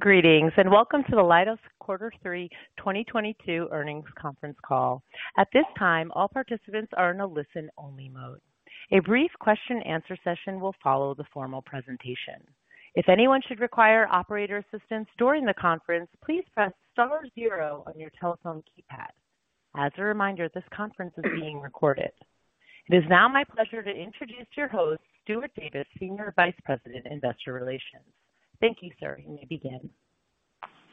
Greetings and welcome to the Leidos Quarter Three 2022 earnings conference call. At this time, all participants are in a listen-only mode. A brief question answer session will follow the formal presentation. If anyone should require operator assistance during the conference, please press star zero on your telephone keypad. As a reminder, this conference is being recorded. It is now my pleasure to introduce your host, Stuart Davis, Senior Vice President, Investor Relations. Thank you, sir. You may begin.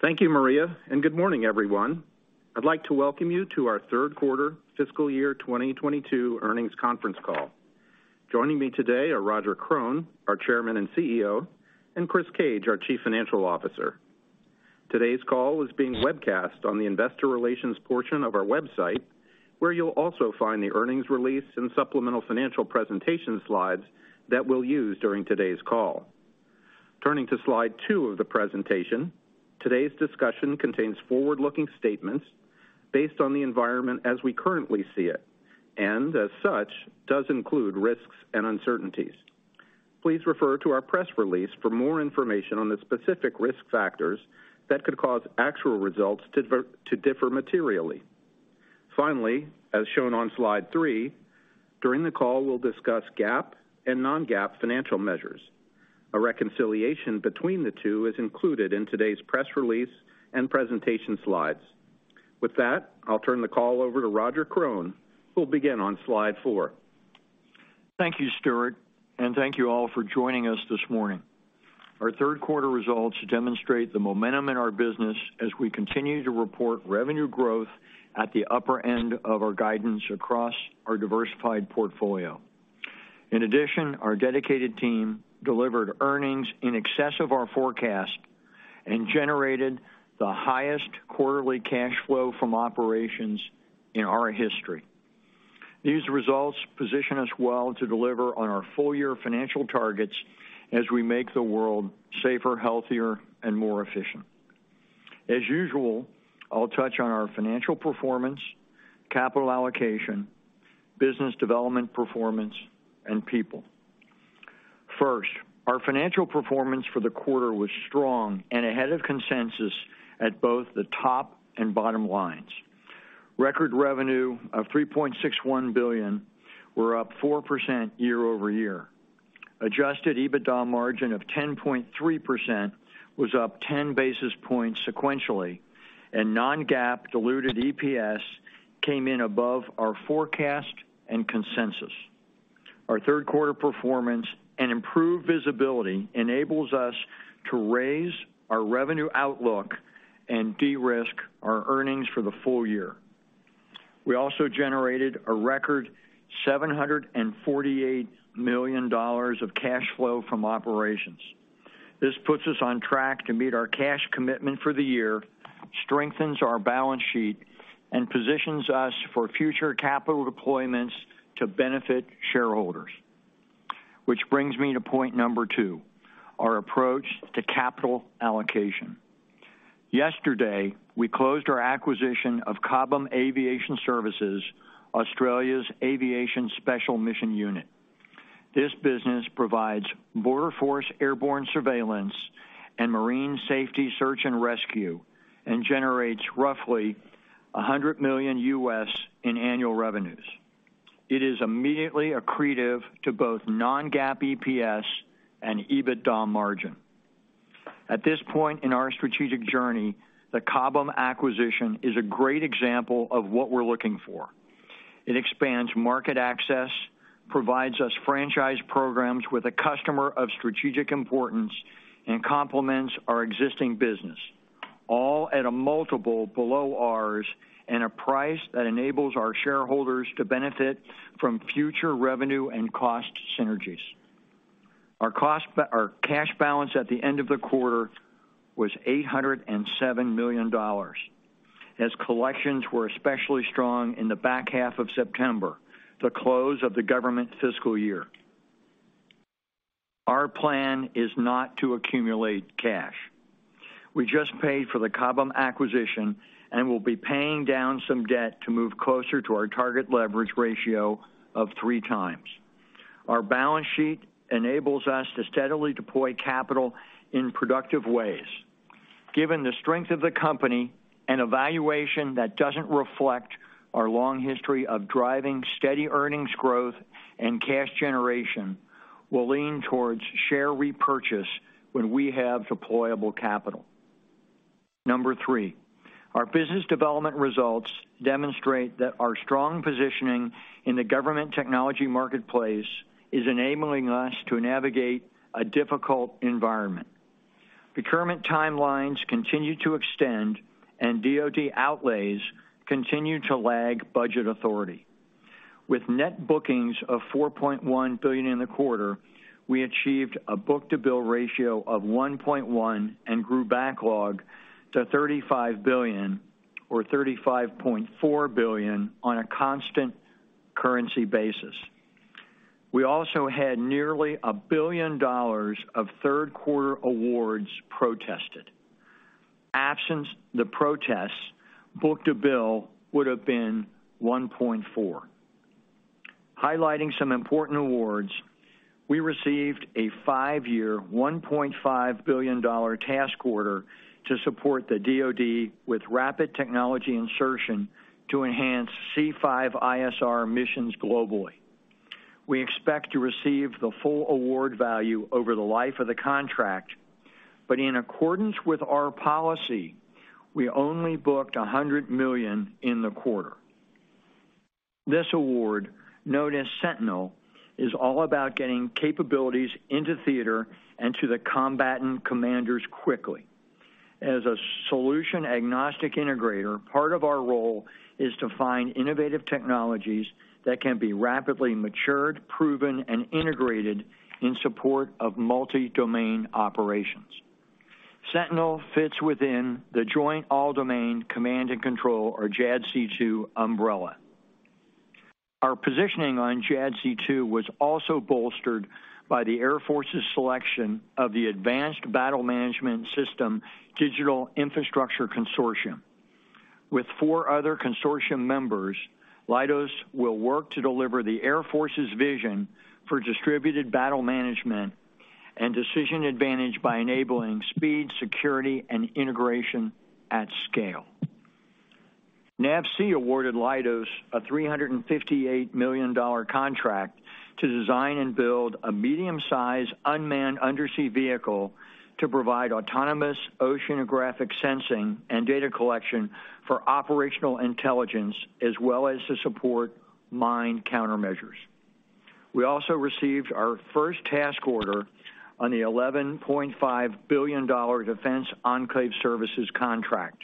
Thank you, Maria, and good morning, everyone. I'd like to welcome you to our third quarter fiscal year 2022 earnings conference call. Joining me today are Roger Krone, our Chairman and CEO, and Chris Cage, our Chief Financial Officer. Today's call is being webcast on the investor relations portion of our website, where you'll also find the earnings release and supplemental financial presentation slides that we'll use during today's call. Turning to slide two of the presentation. Today's discussion contains forward-looking statements based on the environment as we currently see it, and as such, does include risks and uncertainties. Please refer to our press release for more information on the specific risk factors that could cause actual results to differ materially. Finally, as shown on slide three, during the call, we'll discuss GAAP and non-GAAP financial measures. A reconciliation between the two is included in today's press release and presentation slides. With that, I'll turn the call over to Roger Krone, who'll begin on slide four. Thank you, Stuart, and thank you all for joining us this morning. Our third quarter results demonstrate the momentum in our business as we continue to report revenue growth at the upper end of our guidance across our diversified portfolio. In addition, our dedicated team delivered earnings in excess of our forecast and generated the highest quarterly cash flow from operations in our history. These results position us well to deliver on our full-year financial targets as we make the world safer, healthier, and more efficient. As usual, I'll touch on our financial performance, capital allocation, business development performance, and people. First, our financial performance for the quarter was strong and ahead of consensus at both the top and bottom lines. Record revenue of $3.61 billion were up 4% year-over-year. Adjusted EBITDA margin of 10.3% was up 10 basis points sequentially, and non-GAAP diluted EPS came in above our forecast and consensus. Our third quarter performance and improved visibility enables us to raise our revenue outlook and de-risk our earnings for the full year. We also generated a record $748 million of cash flow from operations. This puts us on track to meet our cash commitment for the year, strengthens our balance sheet, and positions us for future capital deployments to benefit shareholders. Which brings me to point number two, our approach to capital allocation. Yesterday, we closed our acquisition of Cobham Aviation Services Australia's Aviation Special Mission Unit. This business provides border force airborne surveillance and marine safety search and rescue, and generates roughly $100 million in annual revenues. It is immediately accretive to both non-GAAP EPS and EBITDA margin. At this point in our strategic journey, the Cobham acquisition is a great example of what we're looking for. It expands market access, provides us franchise programs with a customer of strategic importance, and complements our existing business, all at a multiple below ours and a price that enables our shareholders to benefit from future revenue and cost synergies. Our cash balance at the end of the quarter was $807 million, as collections were especially strong in the back half of September, the close of the government fiscal year. Our plan is not to accumulate cash. We just paid for the Cobham acquisition, and we'll be paying down some debt to move closer to our target leverage ratio of 3x. Our balance sheet enables us to steadily deploy capital in productive ways. Given the strength of the company and a valuation that doesn't reflect our long history of driving steady earnings growth and cash generation, we'll lean towards share repurchase when we have deployable capital. Number three, our business development results demonstrate that our strong positioning in the government technology marketplace is enabling us to navigate a difficult environment. Procurement timelines continue to extend, and DoD outlays continue to lag budget authority. With net bookings of $4.1 billion in the quarter, we achieved a book-to-bill ratio of 1.1 and grew backlog to $35 billion or $35.4 billion on a constant currency basis. We also had nearly $1 billion of third quarter awards protested. Absent the protests, book-to-bill would have been 1.4. Highlighting some important awards, we received a five year, $1.5 billion task order to support the DoD with rapid technology insertion to enhance C5ISR missions globally. We expect to receive the full award value over the life of the contract, but in accordance with our policy, we only booked $100 million in the quarter. This award, known as Sentinel, is all about getting capabilities into theater and to the combatant commanders quickly. As a solution-agnostic integrator, part of our role is to find innovative technologies that can be rapidly matured, proven, and integrated in support of multi-domain operations. Sentinel fits within the Joint All-Domain Command and Control, or JADC2, umbrella. Our positioning on JADC2 was also bolstered by the Air Force's selection of the Advanced Battle Management System Digital Infrastructure Consortium. With four other consortium members, Leidos will work to deliver the Air Force's vision for distributed battle management and decision advantage by enabling speed, security, and integration at scale. NAVSEA awarded Leidos a $358 million contract to design and build a medium-sized unmanned undersea vehicle to provide autonomous oceanographic sensing and data collection for operational intelligence as well as to support mine countermeasures. We also received our first task order on the $11.5 billion Defense Enclave Services contract.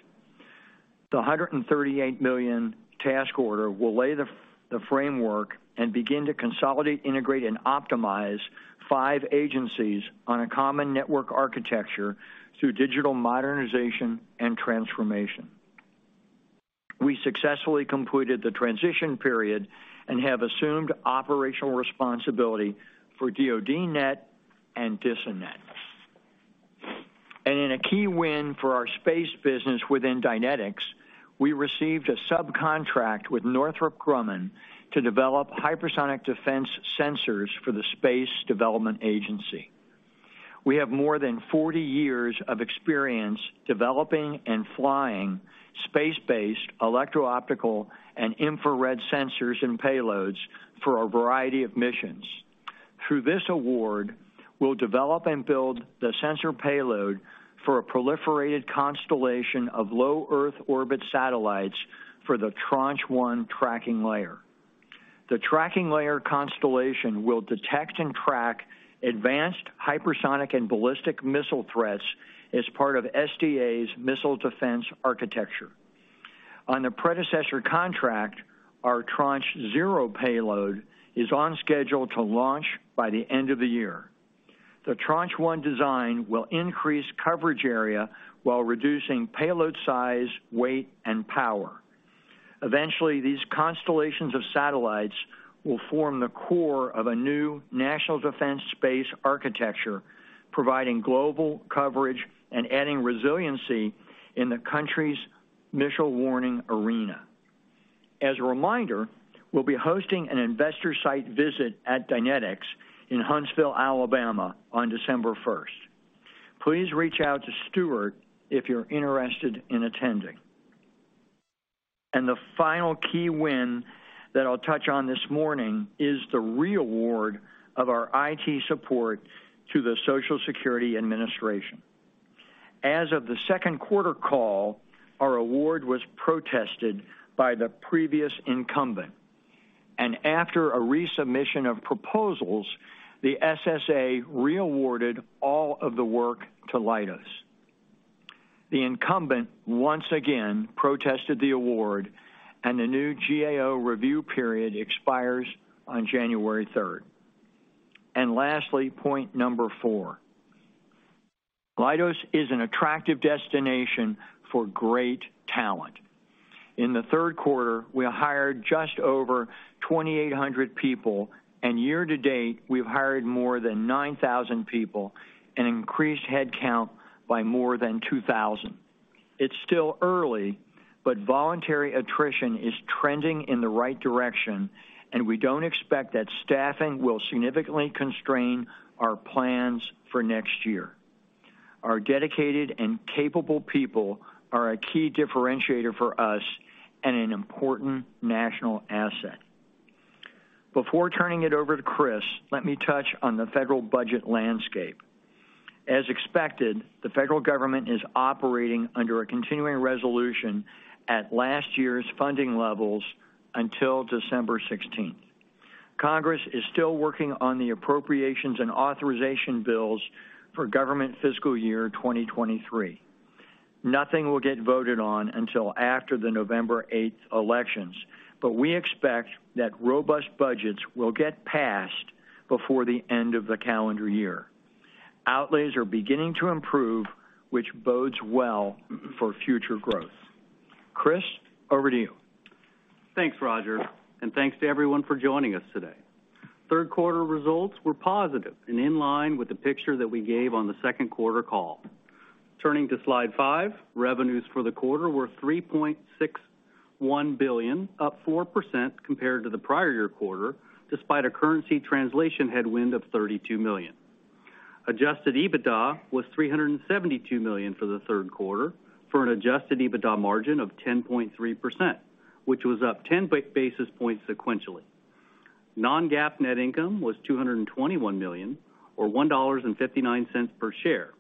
The $138 million task order will lay the framework and begin to consolidate, integrate, and optimize five agencies on a common network architecture through digital modernization and transformation. We successfully completed the transition period and have assumed operational responsibility for DoDNet and DISANet. In a key win for our space business within Dynetics, we received a subcontract with Northrop Grumman to develop hypersonic defense sensors for the Space Development Agency. We have more than forty years of experience developing and flying space-based electro-optical and infrared sensors and payloads for a variety of missions. Through this award, we'll develop and build the sensor payload for a proliferated constellation of low Earth orbit satellites for the Tranche 1 Tracking Layer. The tracking layer constellation will detect and track advanced hypersonic and ballistic missile threats as part of SDA's Missile Defense Architecture. On the predecessor contract, our Tranche 0 payload is on schedule to launch by the end of the year. The Tranche 1 design will increase coverage area while reducing payload size, weight, and power. Eventually, these constellations of satellites will form the core of a new national defense space architecture, providing global coverage and adding resiliency in the country's missile warning arena. As a reminder, we'll be hosting an investor site visit at Dynetics in Huntsville, Alabama, on December 1st. Please reach out to Stuart if you're interested in attending. The final key win that I'll touch on this morning is the re-award of our IT support to the Social Security Administration. As of the second quarter call, our award was protested by the previous incumbent, and after a resubmission of proposals, the SSA re-awarded all of the work to Leidos. The incumbent, once again, protested the award, and the new GAO review period expires on January 3rd. Lastly, point number four. Leidos is an attractive destination for great talent. In the third quarter, we hired just over 2,800 people, and year to date, we've hired more than 9,000 people and increased head count by more than 2,000. It's still early, but voluntary attrition is trending in the right direction, and we don't expect that staffing will significantly constrain our plans for next year. Our dedicated and capable people are a key differentiator for us and an important national asset. Before turning it over to Chris, let me touch on the federal budget landscape. As expected, the federal government is operating under a continuing resolution at last year's funding levels until December 16th. Congress is still working on the appropriations and authorization bills for government fiscal year 2023. Nothing will get voted on until after the November 8th elections, but we expect that robust budgets will get passed before the end of the calendar year. Outlays are beginning to improve, which bodes well for future growth. Chris, over to you. Thanks, Roger, and thanks to everyone for joining us today. Third quarter results were positive and in line with the picture that we gave on the second quarter call. Turning to slide five. Revenues for the quarter were $3.61 billion, up 4% compared to the prior year quarter, despite a currency translation headwind of $32 million. Adjusted EBITDA was $372 million for the third quarter, for an adjusted EBITDA margin of 10.3%, which was up 10 basis points sequentially. Non-GAAP net income was $221 million or $1.59 per share.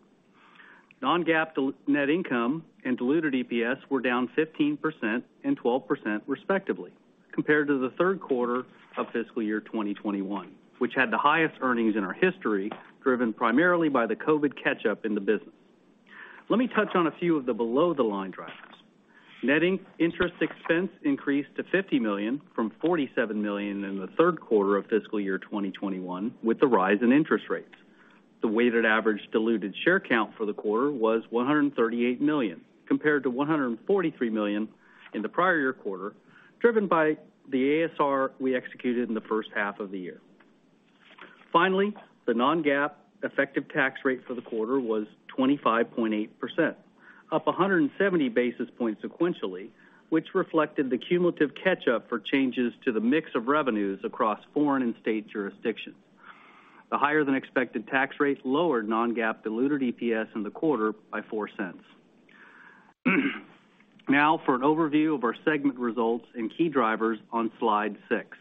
Non-GAAP net income and diluted EPS were down 15% and 12% respectively compared to the third quarter of fiscal year 2021, which had the highest earnings in our history, driven primarily by the COVID catch-up in the business. Let me touch on a few of the below the line drivers. Net interest expense increased to $50 million from $47 million in the third quarter of fiscal year 2021 with the rise in interest rates. The weighted average diluted share count for the quarter was 138 million, compared to 143 million in the prior year quarter, driven by the ASR we executed in the first half of the year. Finally, the non-GAAP effective tax rate for the quarter was 25.8%, up 170 basis points sequentially, which reflected the cumulative catch-up for changes to the mix of revenues across foreign and state jurisdictions. The higher than expected tax rates lowered non-GAAP diluted EPS in the quarter by $0.04. Now for an overview of our segment results and key drivers on slide six.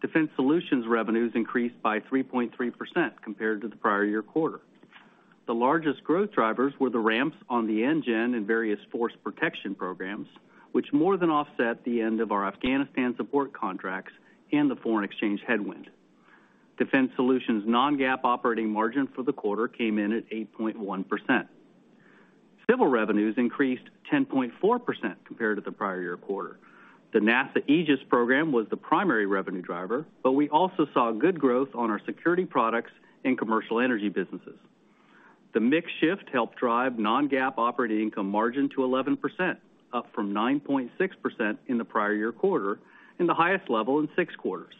Defense Systems revenues increased by 3.3% compared to the prior year quarter. The largest growth drivers were the ramps on the NGEN and various force protection programs, which more than offset the end of our Afghanistan support contracts and the foreign exchange headwind. Defense Systems non-GAAP operating margin for the quarter came in at 8.1%. Civil revenues increased 10.4% compared to the prior year quarter. The NASA AEGIS program was the primary revenue driver, but we also saw good growth on our security products and commercial energy businesses. The mix shift helped drive non-GAAP operating income margin to 11%, up from 9.6% in the prior year quarter and the highest level in six quarters.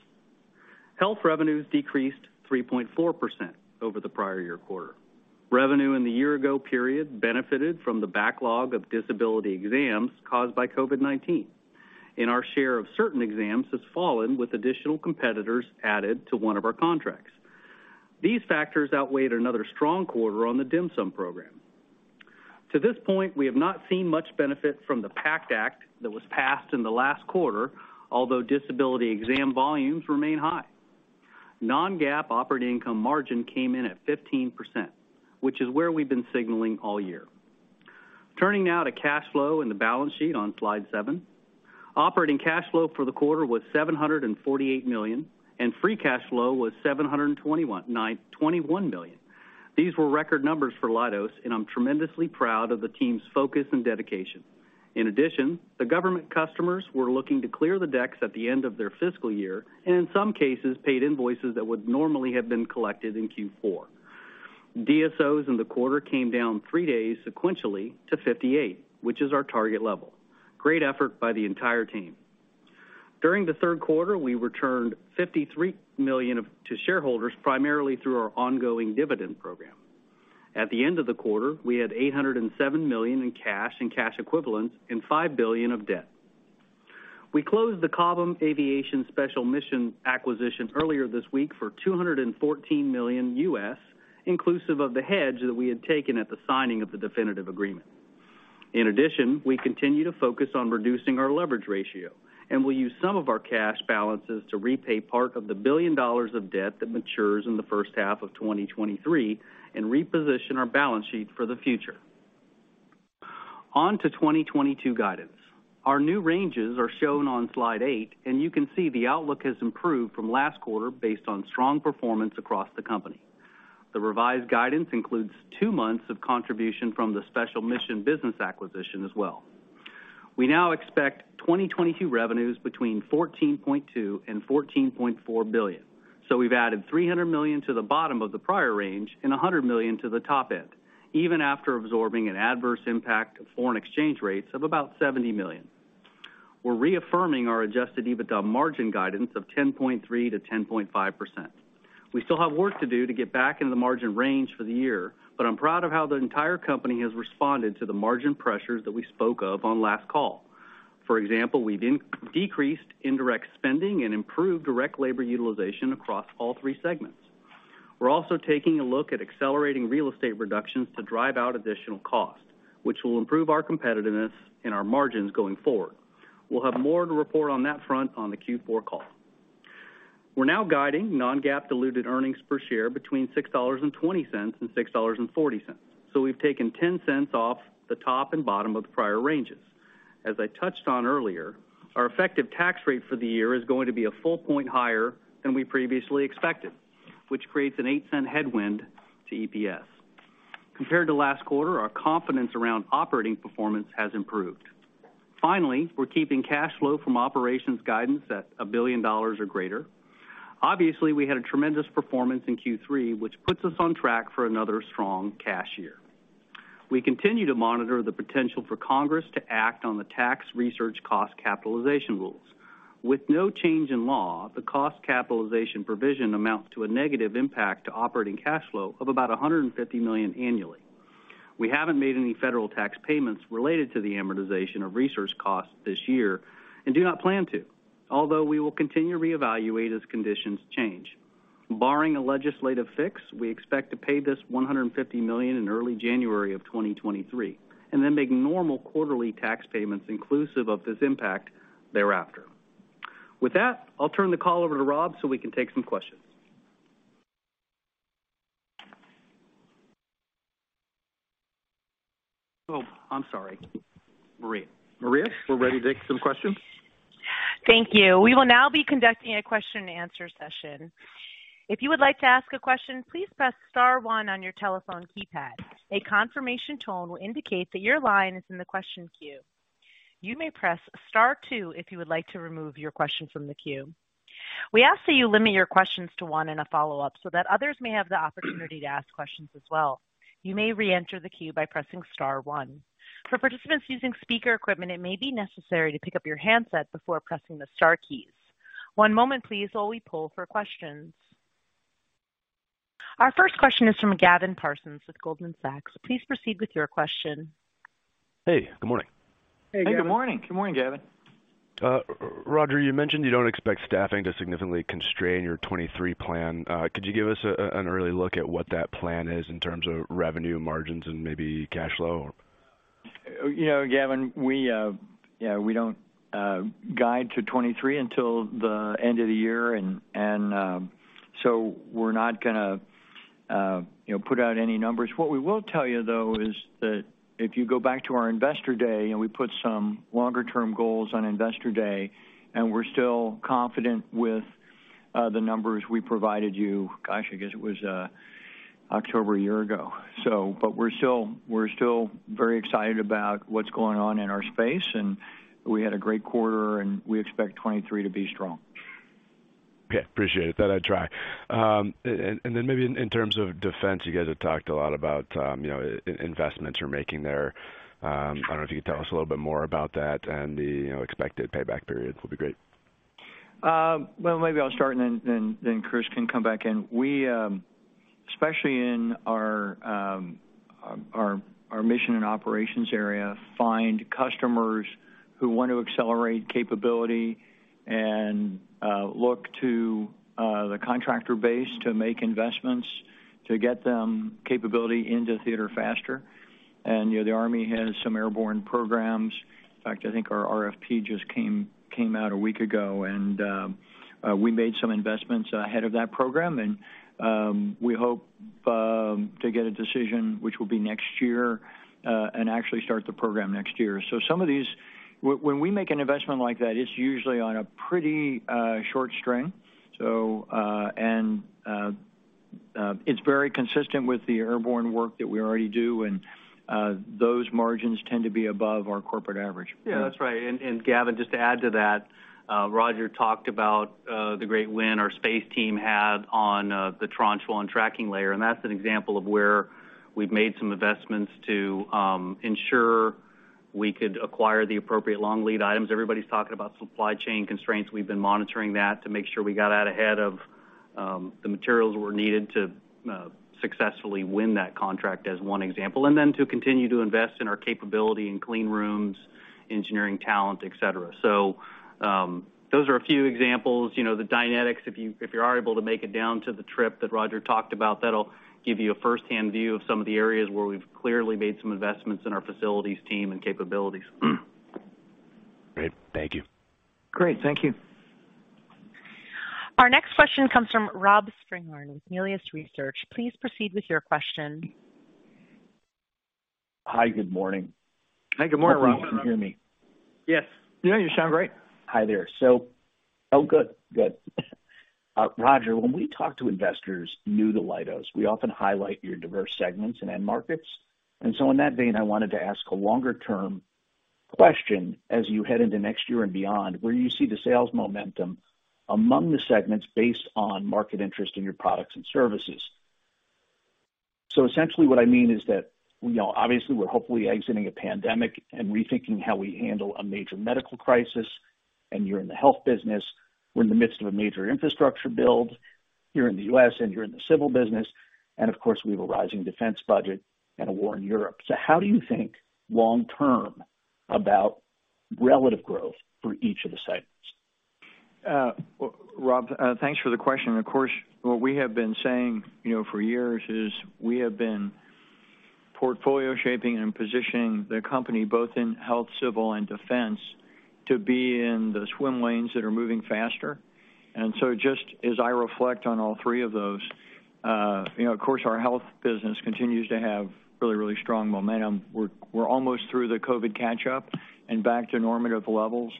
Health revenues decreased 3.4% over the prior year quarter. Revenue in the year-ago period benefited from the backlog of disability exams caused by COVID-19, and our share of certain exams has fallen with additional competitors added to one of our contracts. These factors outweighed another strong quarter on the DIMSUM program. To this point, we have not seen much benefit from the PACT Act that was passed in the last quarter, although disability exam volumes remain high. non-GAAP operating income margin came in at 15%, which is where we've been signaling all year. Turning now to cash flow and the balance sheet on slide seven. Operating cash flow for the quarter was $748 million, and free cash flow was $721 million. These were record numbers for Leidos, and I'm tremendously proud of the team's focus and dedication. In addition, the government customers were looking to clear the decks at the end of their fiscal year, and in some cases paid invoices that would normally have been collected in Q4. DSO in the quarter came down three days sequentially to 58, which is our target level. Great effort by the entire team. During the third quarter, we returned $53 million to shareholders, primarily through our ongoing dividend program. At the end of the quarter, we had $807 million in cash and cash equivalents and $5 billion of debt. We closed the Cobham Aviation Special Mission acquisition earlier this week for $214 million, inclusive of the hedge that we had taken at the signing of the definitive agreement. In addition, we continue to focus on reducing our leverage ratio, and we'll use some of our cash balances to repay part of the $1 billion of debt that matures in the first half of 2023 and reposition our balance sheet for the future. On to 2022 guidance. Our new ranges are shown on slide eight, and you can see the outlook has improved from last quarter based on strong performance across the company. The revised guidance includes two months of contribution from the Special Mission business acquisition as well. We now expect 2022 revenues between $14.2 billion and $14.4 billion, so we've added $300 million to the bottom of the prior range and $100 million to the top end, even after absorbing an adverse impact of foreign exchange rates of about $70 million. We're reaffirming our adjusted EBITDA margin guidance of 10.3%-10.5%. We still have work to do to get back into the margin range for the year, but I'm proud of how the entire company has responded to the margin pressures that we spoke of on last call. For example, we've decreased indirect spending and improved direct labor utilization across all three segments. We're also taking a look at accelerating real estate reductions to drive out additional costs, which will improve our competitiveness and our margins going forward. We'll have more to report on that front on the Q4 call. We're now guiding non-GAAP diluted earnings per share between $6.20 and $6.40, so we've taken $0.10 off the top and bottom of the prior ranges. As I touched on earlier, our effective tax rate for the year is going to be a full point higher than we previously expected, which creates a $0.08 headwind to EPS. Compared to last quarter, our confidence around operating performance has improved. Finally, we're keeping cash flow from operations guidance at $1 billion or greater. Obviously, we had a tremendous performance in Q3, which puts us on track for another strong cash year. We continue to monitor the potential for Congress to act on the tax research cost capitalization rules. With no change in law, the cost capitalization provision amounts to a negative impact to operating cash flow of about $150 million annually. We haven't made any federal tax payments related to the amortization of research costs this year and do not plan to, although we will continue to reevaluate as conditions change. Barring a legislative fix, we expect to pay this $150 million in early January 2023 and then make normal quarterly tax payments inclusive of this impact thereafter. With that, I'll turn the call over to Rob so we can take some questions. Oh, I'm sorry, Maria. Maria, we're ready to take some questions. Thank you. We will now be conducting a question-and-answer session. If you would like to ask a question, please press star one on your telephone keypad. A confirmation tone will indicate that your line is in the question queue. You may press star two if you would like to remove your question from the queue. We ask that you limit your questions to one in a follow-up so that others may have the opportunity to ask questions as well. You may reenter the queue by pressing star one. For participants using speaker equipment, it may be necessary to pick up your handset before pressing the star keys. One moment please while we poll for questions. Our first question is from Gavin Parsons with Goldman Sachs. Please proceed with your question. Hey, good morning. Hey, good morning. Good morning, Gavin. Roger, you mentioned you don't expect staffing to significantly constrain your 2023 plan. Could you give us an early look at what that plan is in terms of revenue margins and maybe cash flow? You know, Gavin, we don't guide to 2023 until the end of the year. We're not gonna put out any numbers. What we will tell you, though, is that if you go back to our investor day and we put some longer-term goals on investor day, and we're still confident with the numbers we provided you. Gosh, I guess it was October a year ago. We're still very excited about what's going on in our space, and we had a great quarter, and we expect 2023 to be strong. Okay. Appreciate it. Thought I'd try. Maybe in terms of defense, you guys have talked a lot about you know, investments you're making there. I don't know if you could tell us a little bit more about that and the you know, expected payback period would be great. Well, maybe I'll start, and then Chris can come back in. We especially in our mission and operations area find customers who want to accelerate capability and look to the contractor base to make investments to get them capability into theater faster. You know, the Army has some airborne programs. In fact, I think our RFP just came out a week ago, and we made some investments ahead of that program. We hope to get a decision which will be next year and actually start the program next year. Some of these when we make an investment like that, it's usually on a pretty short string. It's very consistent with the airborne work that we already do, and those margins tend to be above our corporate average. Yeah, that's right. Gavin, just to add to that, Roger talked about the great win our space team had on the Tranche One tracking layer, and that's an example of where we've made some investments to ensure we could acquire the appropriate long lead items. Everybody's talking about supply chain constraints. We've been monitoring that to make sure we got out ahead of the materials that were needed to successfully win that contract as one example, and then to continue to invest in our capability in clean rooms, engineering talent, et cetera. Those are a few examples. You know, the dynamics, if you are able to make it down to the trip that Roger talked about, that'll give you a firsthand view of some of the areas where we've clearly made some investments in our facilities team and capabilities. Great. Thank you. Great. Thank you. Our next question comes from Robert Spingarn with Melius Research. Please proceed with your question. Hi. Good morning. Hi. Good morning, Robert. Hope you can hear me. Yes. Yeah, you sound great. Hi there. Roger, when we talk to investors new to Leidos, we often highlight your diverse segments and end markets. In that vein, I wanted to ask a longer-term question as you head into next year and beyond, where you see the sales momentum among the segments based on market interest in your products and services. Essentially what I mean is that, you know, obviously we're hopefully exiting a pandemic and rethinking how we handle a major medical crisis. You're in the health business. We're in the midst of a major infrastructure bill. You're in the U.S., and you're in the civil business. Of course, we have a rising defense budget and a war in Europe. How do you think long-term about relative growth for each of the segments? Rob, thanks for the question. Of course, what we have been saying, you know, for years is we have been portfolio shaping and positioning the company both in health, civil, and defense to be in the swim lanes that are moving faster. Just as I reflect on all three of those, you know, of course, our health business continues to have really strong momentum. We're almost through the COVID catch-up and back to normative levels.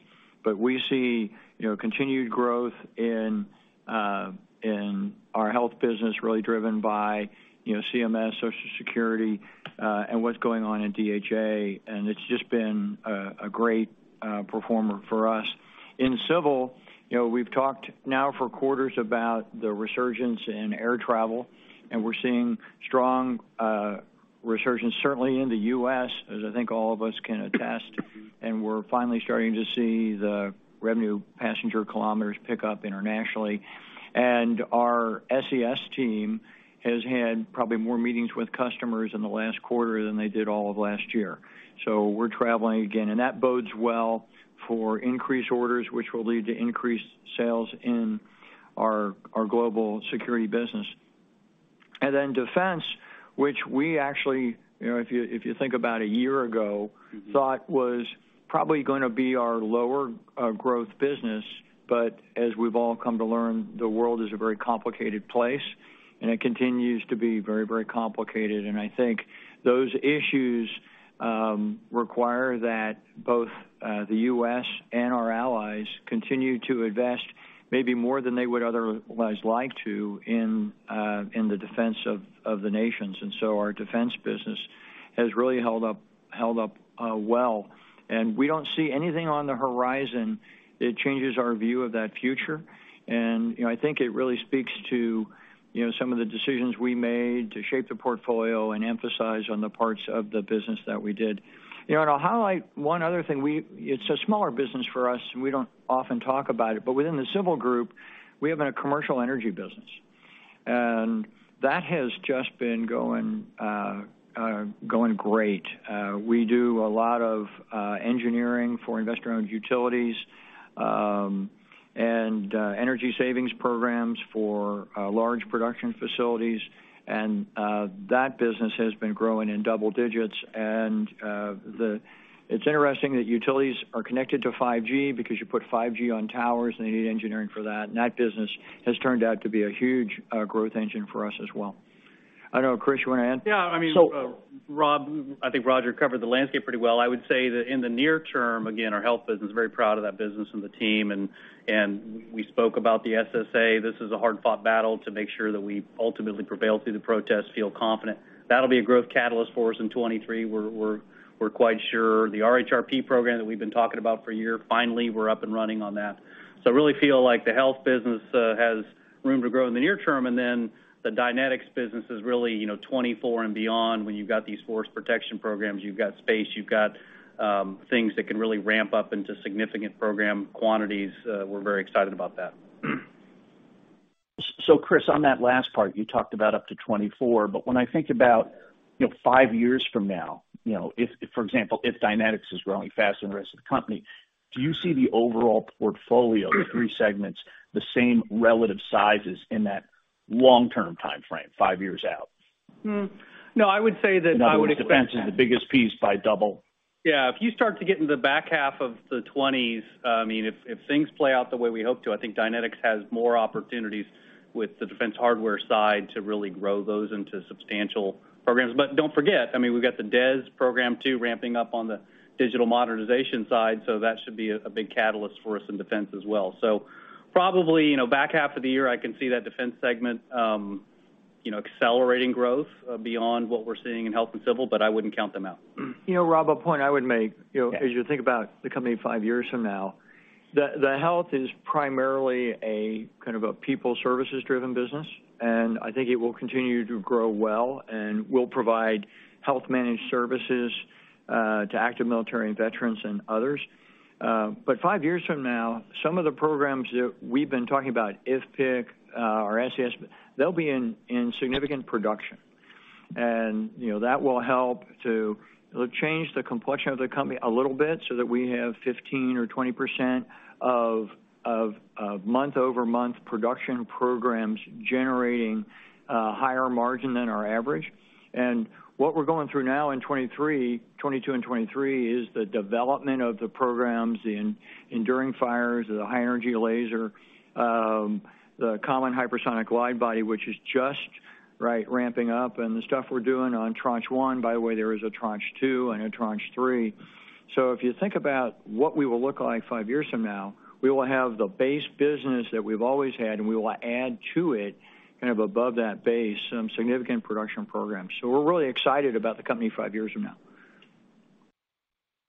We see, you know, continued growth in our health business really driven by, you know, CMS, Social Security, and what's going on in DHA, and it's just been a great performer for us. In Civil, you know, we've talked now for quarters about the resurgence in air travel, and we're seeing strong resurgence certainly in the U.S., as I think all of us can attest, and we're finally starting to see the revenue passenger kilometers pick up internationally. Our SCS team has had probably more meetings with customers in the last quarter than they did all of last year. We're traveling again, and that bodes well for increased orders, which will lead to increased sales in our global security business. Then Defense, which we actually, you know, if you think about a year ago, thought was probably gonna be our lower growth business. As we've all come to learn, the world is a very complicated place, and it continues to be very, very complicated. I think those issues require that both the U.S. and our allies continue to invest maybe more than they would otherwise like to in the defense of the nations. Our Defense business has really held up well. We don't see anything on the horizon that changes our view of that future. You know, I think it really speaks to, you know, some of the decisions we made to shape the portfolio and emphasize on the parts of the business that we did. You know, I'll highlight one other thing. It's a smaller business for us, and we don't often talk about it, but within the Civil group, we have a commercial energy business. That has just been going great. We do a lot of engineering for investor-owned utilities and energy savings programs for large production facilities. That business has been growing in double digits. It's interesting that utilities are connected to 5G because you put 5G on towers, and they need engineering for that. That business has turned out to be a huge growth engine for us as well. I know, Chris, you wanna add? Yeah. I mean, Rob, I think Roger covered the landscape pretty well. I would say that in the near term, again, our health business, very proud of that business and the team and we spoke about the SSA. This is a hard-fought battle to make sure that we ultimately prevail through the protests. Feel confident. That'll be a growth catalyst for us in 2023. We're quite sure the RHRP program that we've been talking about for a year, finally, we're up and running on that. I really feel like the health business has room to grow in the near term, and then the Dynetics business is really, you know, 2024 and beyond when you've got these force protection programs. You've got space, you've got things that can really ramp up into significant program quantities. We're very excited about that. Chris, on that last part, you talked about up to 2024, but when I think about, you know, five years from now, you know, if, for example, if Dynetics is growing faster than the rest of the company, do you see the overall portfolio of the three segments the same relative sizes in that long-term timeframe, five years out? No, I would say that. In other words, Defense is the biggest piece by double. Yeah. If you start to get into the back half of the twenties, I mean, if things play out the way we hope to, I think Dynetics has more opportunities with the defense hardware side to really grow those into substantial programs. Don't forget, I mean, we've got the DES program too, ramping up on the digital modernization side, so that should be a big catalyst for us in Defense as well. Probably, you know, back half of the year, I can see that Defense segment, you know, accelerating growth beyond what we're seeing in Health and Civil, but I wouldn't count them out. You know, Rob, a point I would make, you know. Yeah. As you think about the company five years from now, the health is primarily a kind of a people services driven business, and I think it will continue to grow well and will provide health managed services to active military and veterans and others. Five years from now, some of the programs that we've been talking about, FPIC or SCS, they'll be in significant production. You know, that will help. It'll change the complexion of the company a little bit so that we have 15%-20% of month-over-month production programs generating higher margin than our average. What we're going through now in 2022 and 2023 is the development of the programs, the Enduring Fires, the High Energy Laser, the Common-Hypersonic Glide Body, which is just, right, ramping up, and the stuff we're doing on Tranche 1. By the way, there is a Tranche 2 and a Tranche 3. If you think about what we will look like five years from now, we will have the base business that we've always had, and we will add to it, kind of above that base, some significant production programs. We're really excited about the company five years from now.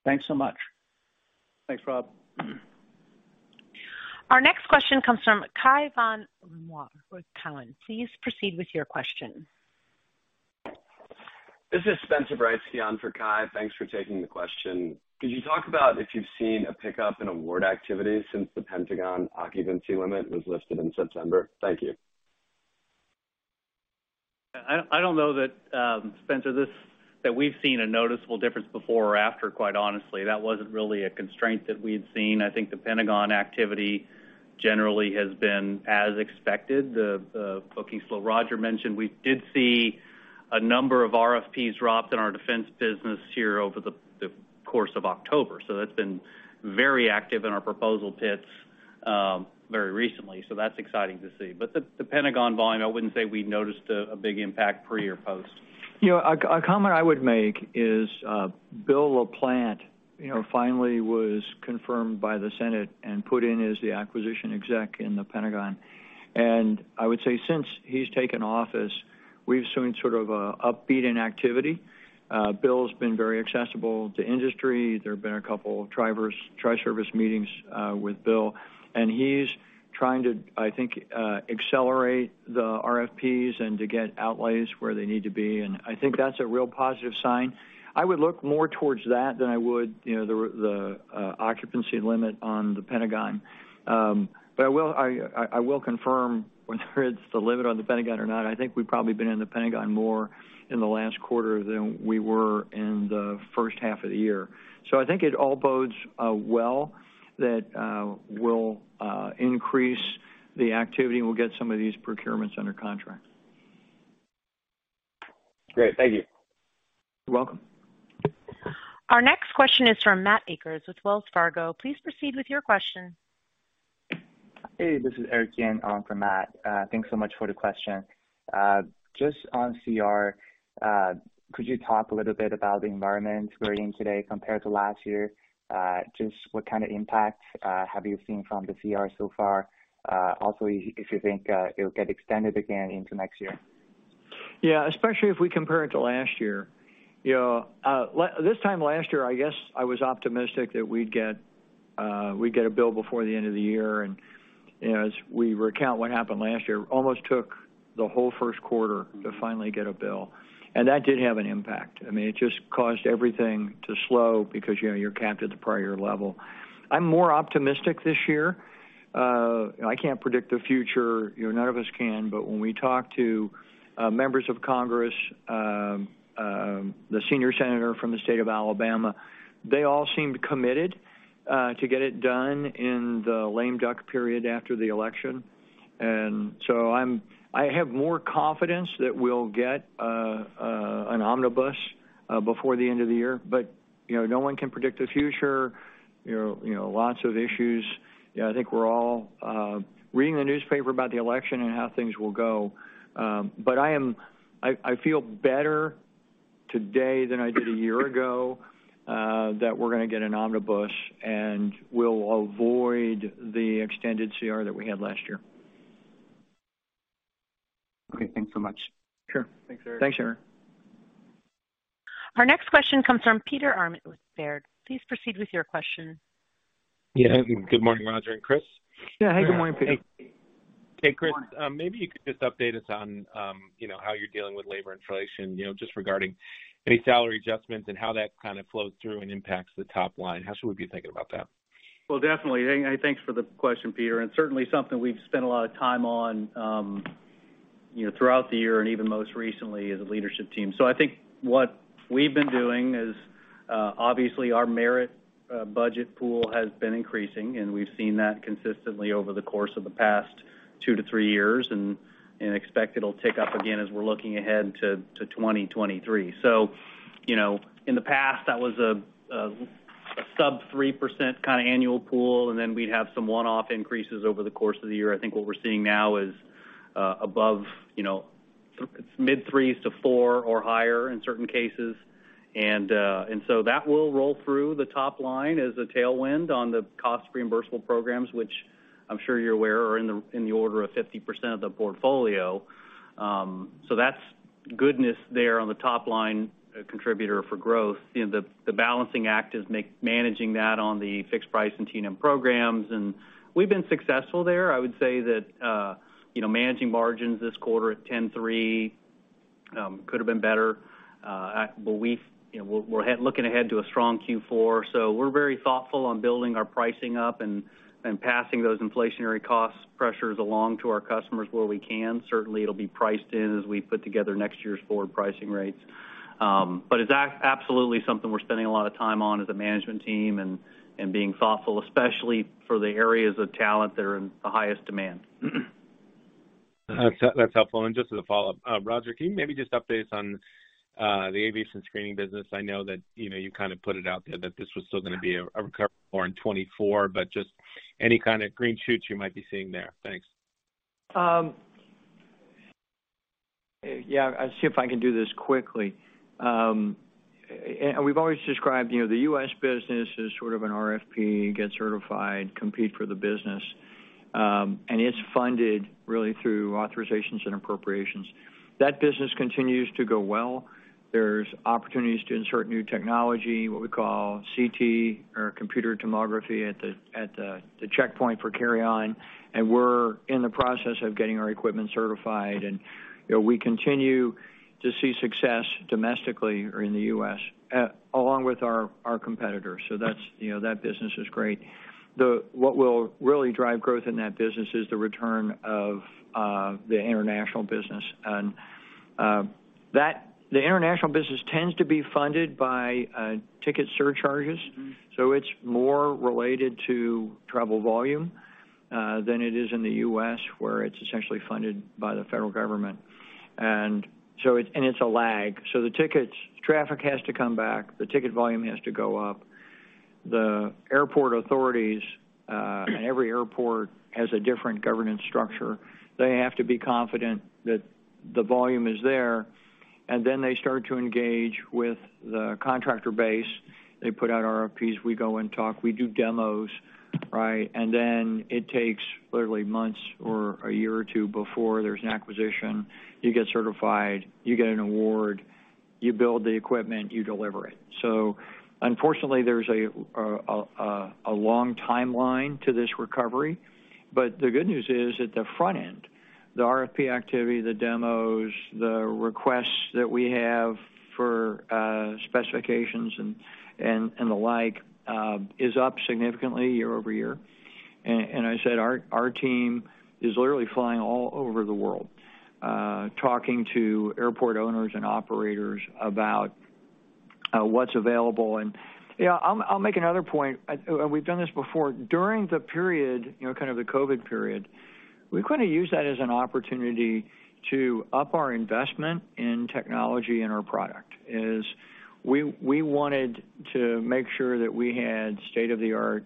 Thanks so much. Thanks, Rob. Our next question comes from Cai von Rumohr. Please proceed with your question. This is Spencer Briscian for Cai. Thanks for taking the question. Could you talk about if you've seen a pickup in award activity since the Pentagon occupancy limit was lifted in September? Thank you. I don't know that, Spencer, that we've seen a noticeable difference before or after, quite honestly. That wasn't really a constraint that we'd seen. I think the Pentagon activity generally has been as expected. The bookings slowdown Roger mentioned, we did see a number of RFPs dropped in our Defense business here over the course of October. That's been very active in our proposal pits, very recently, so that's exciting to see. The Pentagon volume, I wouldn't say we noticed a big impact pre or post. You know, a comment I would make is, Bill LaPlante you know finally was confirmed by the Senate and put in as the acquisition exec in the Pentagon. I would say since he's taken office, we've seen sort of an upbeat in activity. Bill's been very accessible to industry. There have been a couple of tri-service meetings with Bill, and he's trying to, I think, accelerate the RFPs and to get outlays where they need to be, and I think that's a real positive sign. I would look more towards that than I would you know the occupancy limit on the Pentagon. I will confirm whether it's the limit on the Pentagon or not. I think we've probably been in the Pentagon more in the last quarter than we were in the first half of the year. I think it all bodes well that we'll increase the activity, and we'll get some of these procurements under contract. Great. Thank you. You're welcome. Our next question is from Matthew Akers with Wells Fargo. Please proceed with your question. Hey, this is Eric Jin in for Matt. Thanks so much for the question. Just on CR, could you talk a little bit about the environment we're in today compared to last year? Just what kind of impact have you seen from the CR so far? Also if you think it'll get extended again into next year. Yeah, especially if we compare it to last year. You know, this time last year, I guess I was optimistic that we'd get a bill before the end of the year. As we recount what happened last year, almost took the whole first quarter to finally get a bill. That did have an impact. I mean, it just caused everything to slow because, you know, you're capped at the prior level. I'm more optimistic this year. I can't predict the future. You know, none of us can. When we talk to members of Congress, the senior senator from the state of Alabama, they all seem committed to get it done in the lame duck period after the election. I have more confidence that we'll get an omnibus before the end of the year. You know, no one can predict the future, you know, lots of issues. You know, I think we're all reading the newspaper about the election and how things will go. I feel better today than I did a year ago that we're gonna get an omnibus, and we'll avoid the extended CR that we had last year. Okay. Thanks so much. Sure. Thanks, Eric. Thanks, Eric. Our next question comes from Peter Arment with Baird. Please proceed with your question. Yeah. Good morning, Roger and Chris. Yeah. Good morning, Peter. Hey, Chris, maybe you could just update us on, you know, how you're dealing with labor inflation, you know, just regarding any salary adjustments and how that kind of flows through and impacts the top line. How should we be thinking about that? Well, definitely. Thanks for the question, Peter, and certainly something we've spent a lot of time on, you know, throughout the year and even most recently as a leadership team. I think what we've been doing is, obviously our merit budget pool has been increasing, and we've seen that consistently over the course of the past two to three years and expect it'll tick up again as we're looking ahead to 2023. You know, in the past, that was a sub-3% kinda annual pool, and then we'd have some one-off increases over the course of the year. I think what we're seeing now is, above, you know, it's mid-3s% to 4% or higher in certain cases. That will roll through the top line as a tailwind on the cost reimbursable programs, which I'm sure you're aware are in the order of 50% of the portfolio. That's goodness there on the top line contributor for growth. You know, the balancing act is managing that on the fixed price and T&M programs, and we've been successful there. I would say that, you know, managing margins this quarter at 10.3%, could have been better. You know, we're looking ahead to a strong Q4. We're very thoughtful on building our pricing up and passing those inflationary cost pressures along to our customers where we can. Certainly, it'll be priced in as we put together next year's forward pricing rates. It's absolutely something we're spending a lot of time on as a management team and being thoughtful, especially for the areas of talent that are in the highest demand. That's helpful. Just as a follow-up, Roger, can you maybe just update us on the aviation screening business? I know that, you know, you kinda put it out there that this was still gonna be a recovery more in 2024, but just any kind of green shoots you might be seeing there. Thanks. Yeah, I'll see if I can do this quickly. We've always described, you know, the U.S. business as sort of an RFP, get certified, compete for the business, and it's funded really through authorizations and appropriations. That business continues to go well. There's opportunities to insert new technology, what we call CT or Computed Tomography at the checkpoint for carry on, and we're in the process of getting our equipment certified. You know, we continue to see success domestically or in the U.S., along with our competitors. That's, you know, that business is great. What will really drive growth in that business is the return of the international business. The international business tends to be funded by ticket surcharges. It's more related to travel volume than it is in the U.S., where it's essentially funded by the federal government. It's a lag. The ticket traffic has to come back, the ticket volume has to go up. The airport authorities, every airport has a different governance structure. They have to be confident that the volume is there, and then they start to engage with the contractor base. They put out RFPs, we go and talk, we do demos, right? It takes literally months or a year or two before there's an acquisition. You get certified, you get an award, you build the equipment, you deliver it. Unfortunately, there's a long timeline to this recovery. The good news is, at the front end, the RFP activity, the demos, the requests that we have for specifications and the like is up significantly year-over-year. I said our team is literally flying all over the world talking to airport owners and operators about what's available. You know, I'll make another point and we've done this before. During the period, you know, kind of the COVID period, we kind of used that as an opportunity to up our investment in technology and our product. As we wanted to make sure that we had state-of-the-art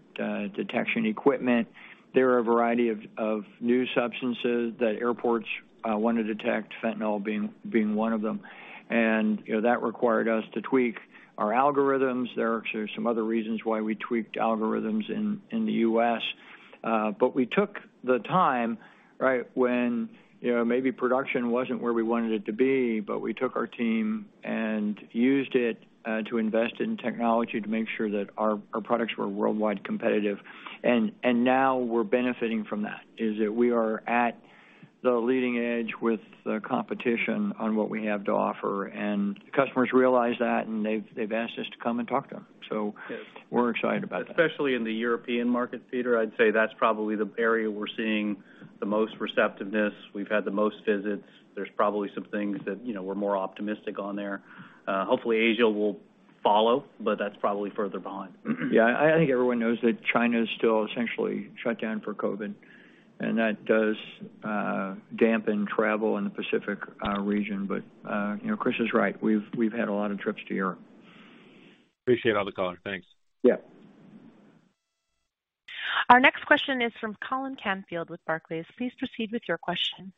detection equipment. There are a variety of new substances that airports want to detect, fentanyl being one of them. You know, that required us to tweak our algorithms. There are actually some other reasons why we tweaked algorithms in the U.S.. We took the time, right, when you know, maybe production wasn't where we wanted it to be, but we took our team and used it to invest in technology to make sure that our products were worldwide competitive. Now we're benefiting from that, is that we are at the leading edge with the competition on what we have to offer. Customers realize that, and they've asked us to come and talk to them. We're excited about that. Especially in the European market, Peter, I'd say that's probably the area we're seeing the most receptiveness. We've had the most visits. There's probably some things that, you know, we're more optimistic on there. Hopefully Asia will follow, but that's probably further behind. Yeah. I think everyone knows that China is still essentially shut down for COVID, and that does dampen travel in the Pacific region. You know, Chris is right. We've had a lot of trips to Europe. Appreciate all the color. Thanks. Yeah. Our next question is from Colin Canfield with Cantor Fitzgerald. Please proceed with your question.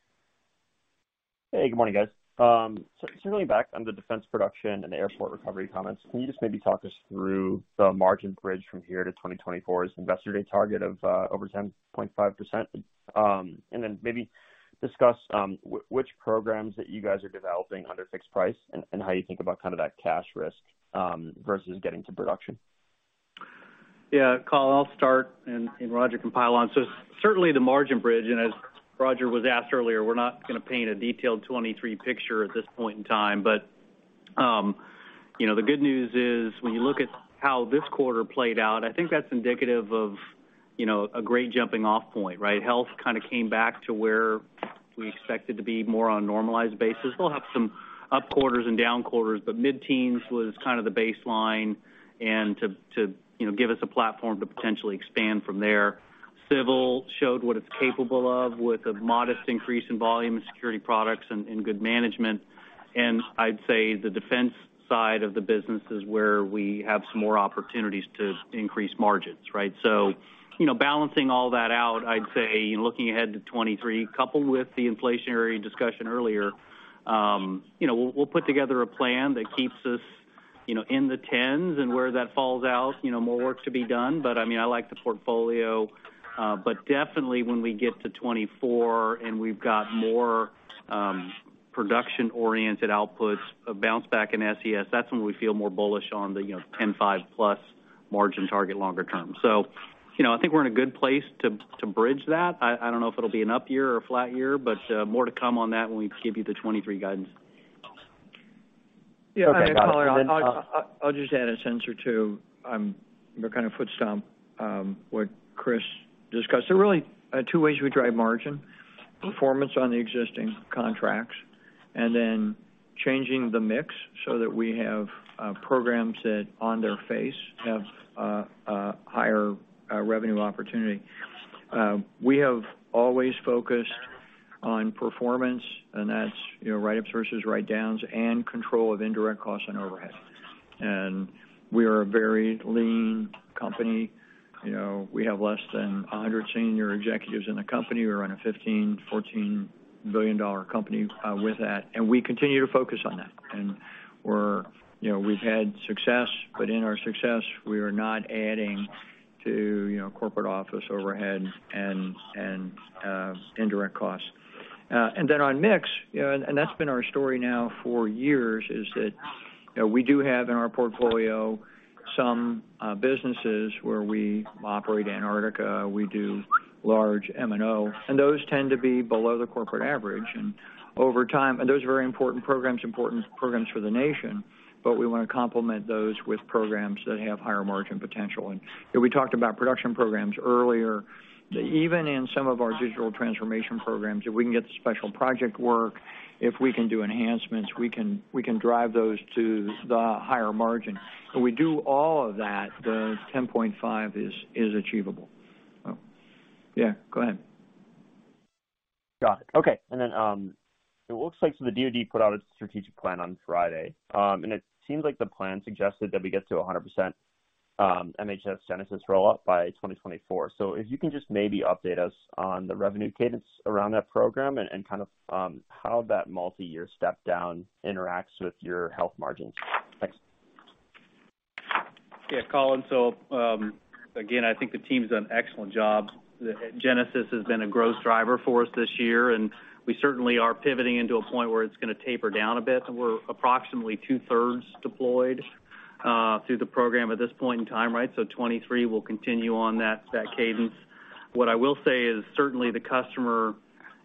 Hey, good morning, guys. Certainly back on the defense production and the aircraft recovery comments. Can you just maybe talk us through the margin bridge from here to 2024's Investor Day target of over 10.5%? Maybe discuss which programs that you guys are developing under fixed price and how you think about kind of that cash risk versus getting to production. Yeah, Colin, I'll start and Roger can pile on. Certainly the margin bridge, and as Roger was asked earlier, we're not gonna paint a detailed 2023 picture at this point in time. You know, the good news is, when you look at how this quarter played out, I think that's indicative of, you know, a great jumping off point, right? Health kind of came back to where we expect it to be more on a normalized basis. We'll have some up quarters and down quarters, but mid-teens was kind of the baseline and to, you know, give us a platform to potentially expand from there. Civil showed what it's capable of with a modest increase in volume in security products and good management. I'd say the defense side of the business is where we have some more opportunities to increase margins, right? You know, balancing all that out, I'd say looking ahead to 2023, coupled with the inflationary discussion earlier, you know, we'll put together a plan that keeps us, you know, in the tens and where that falls out, you know, more work to be done. I mean, I like the portfolio. Definitely when we get to 2024 and we've got more production-oriented outputs, a bounce back in SES, that's when we feel more bullish on the, you know, 10.5%+ margin target longer term. You know, I think we're in a good place to bridge that. I don't know if it'll be an up year or a flat year, but more to come on that when we give you the 2023 guidance. Yeah. I'll just add a sentence or two. We're kind of foot-stomp what Chris discussed. There are really two ways we drive margin. Performance on the existing contracts, and then changing the mix so that we have programs that on their face have higher revenue opportunity. We have always focused on performance, and that's write-ups versus write-downs and control of indirect costs and overhead. We are a very lean company. You know, we have less than 100 senior executives in the company. We run a $15 billion-$14 billion company with that, and we continue to focus on that. You know, we've had success, but in our success, we are not adding to you know, corporate office overhead and indirect costs. On mix, you know, that's been our story now for years, is that, you know, we do have in our portfolio some businesses where we operate Antarctica, we do large M&O, and those tend to be below the corporate average. Over time, those are very important programs for the nation, but we wanna complement those with programs that have higher margin potential. You know, we talked about production programs earlier. Even in some of our digital transformation programs, if we can get the special project work, if we can do enhancements, we can drive those to the higher margin. If we do all of that, the 10.5% is achievable. Yeah, go ahead. Got it. Okay. It looks like the DoD put out its strategic plan on Friday. It seems like the plan suggested that we get to 100% MHS GENESIS roll up by 2024. If you can just maybe update us on the revenue cadence around that program and kind of how that multi-year step down interacts with your health margins. Thanks. Yeah, Colin. Again, I think the team's done an excellent job. Genesis has been a gross driver for us this year, and we certainly are pivoting into a point where it's gonna taper down a bit, and we're approximately two-thirds deployed through the program at this point in time, right? 2023 will continue on that cadence. What I will say is certainly the customer,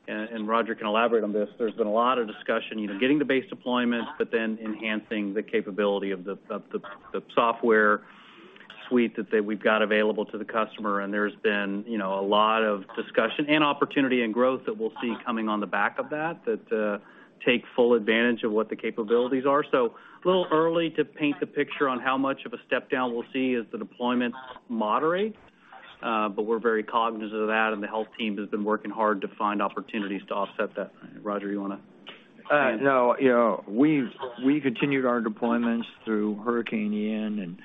and Roger can elaborate on this, there's been a lot of discussion, you know, getting the base deployment, but then enhancing the capability of the software suite that we've got available to the customer. There's been, you know, a lot of discussion and opportunity and growth that we'll see coming on the back of that take full advantage of what the capabilities are. A little early to paint the picture on how much of a step down we'll see as the deployment moderates, but we're very cognizant of that, and the health team has been working hard to find opportunities to offset that. Roger, you wanna? No. You know, we continued our deployments through Hurricane Ian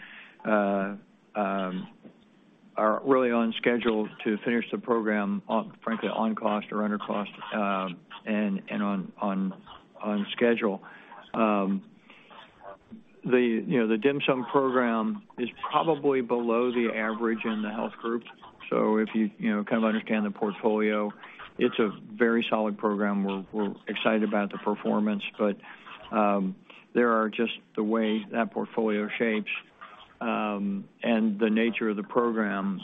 and are really on schedule to finish the program on, frankly, on cost or under cost, and on schedule. You know, the DHMSM program is probably below the average in the health group. If you kind of understand the portfolio, it is a very solid program. We are excited about the performance, but there are just the way that portfolio shapes and the nature of the program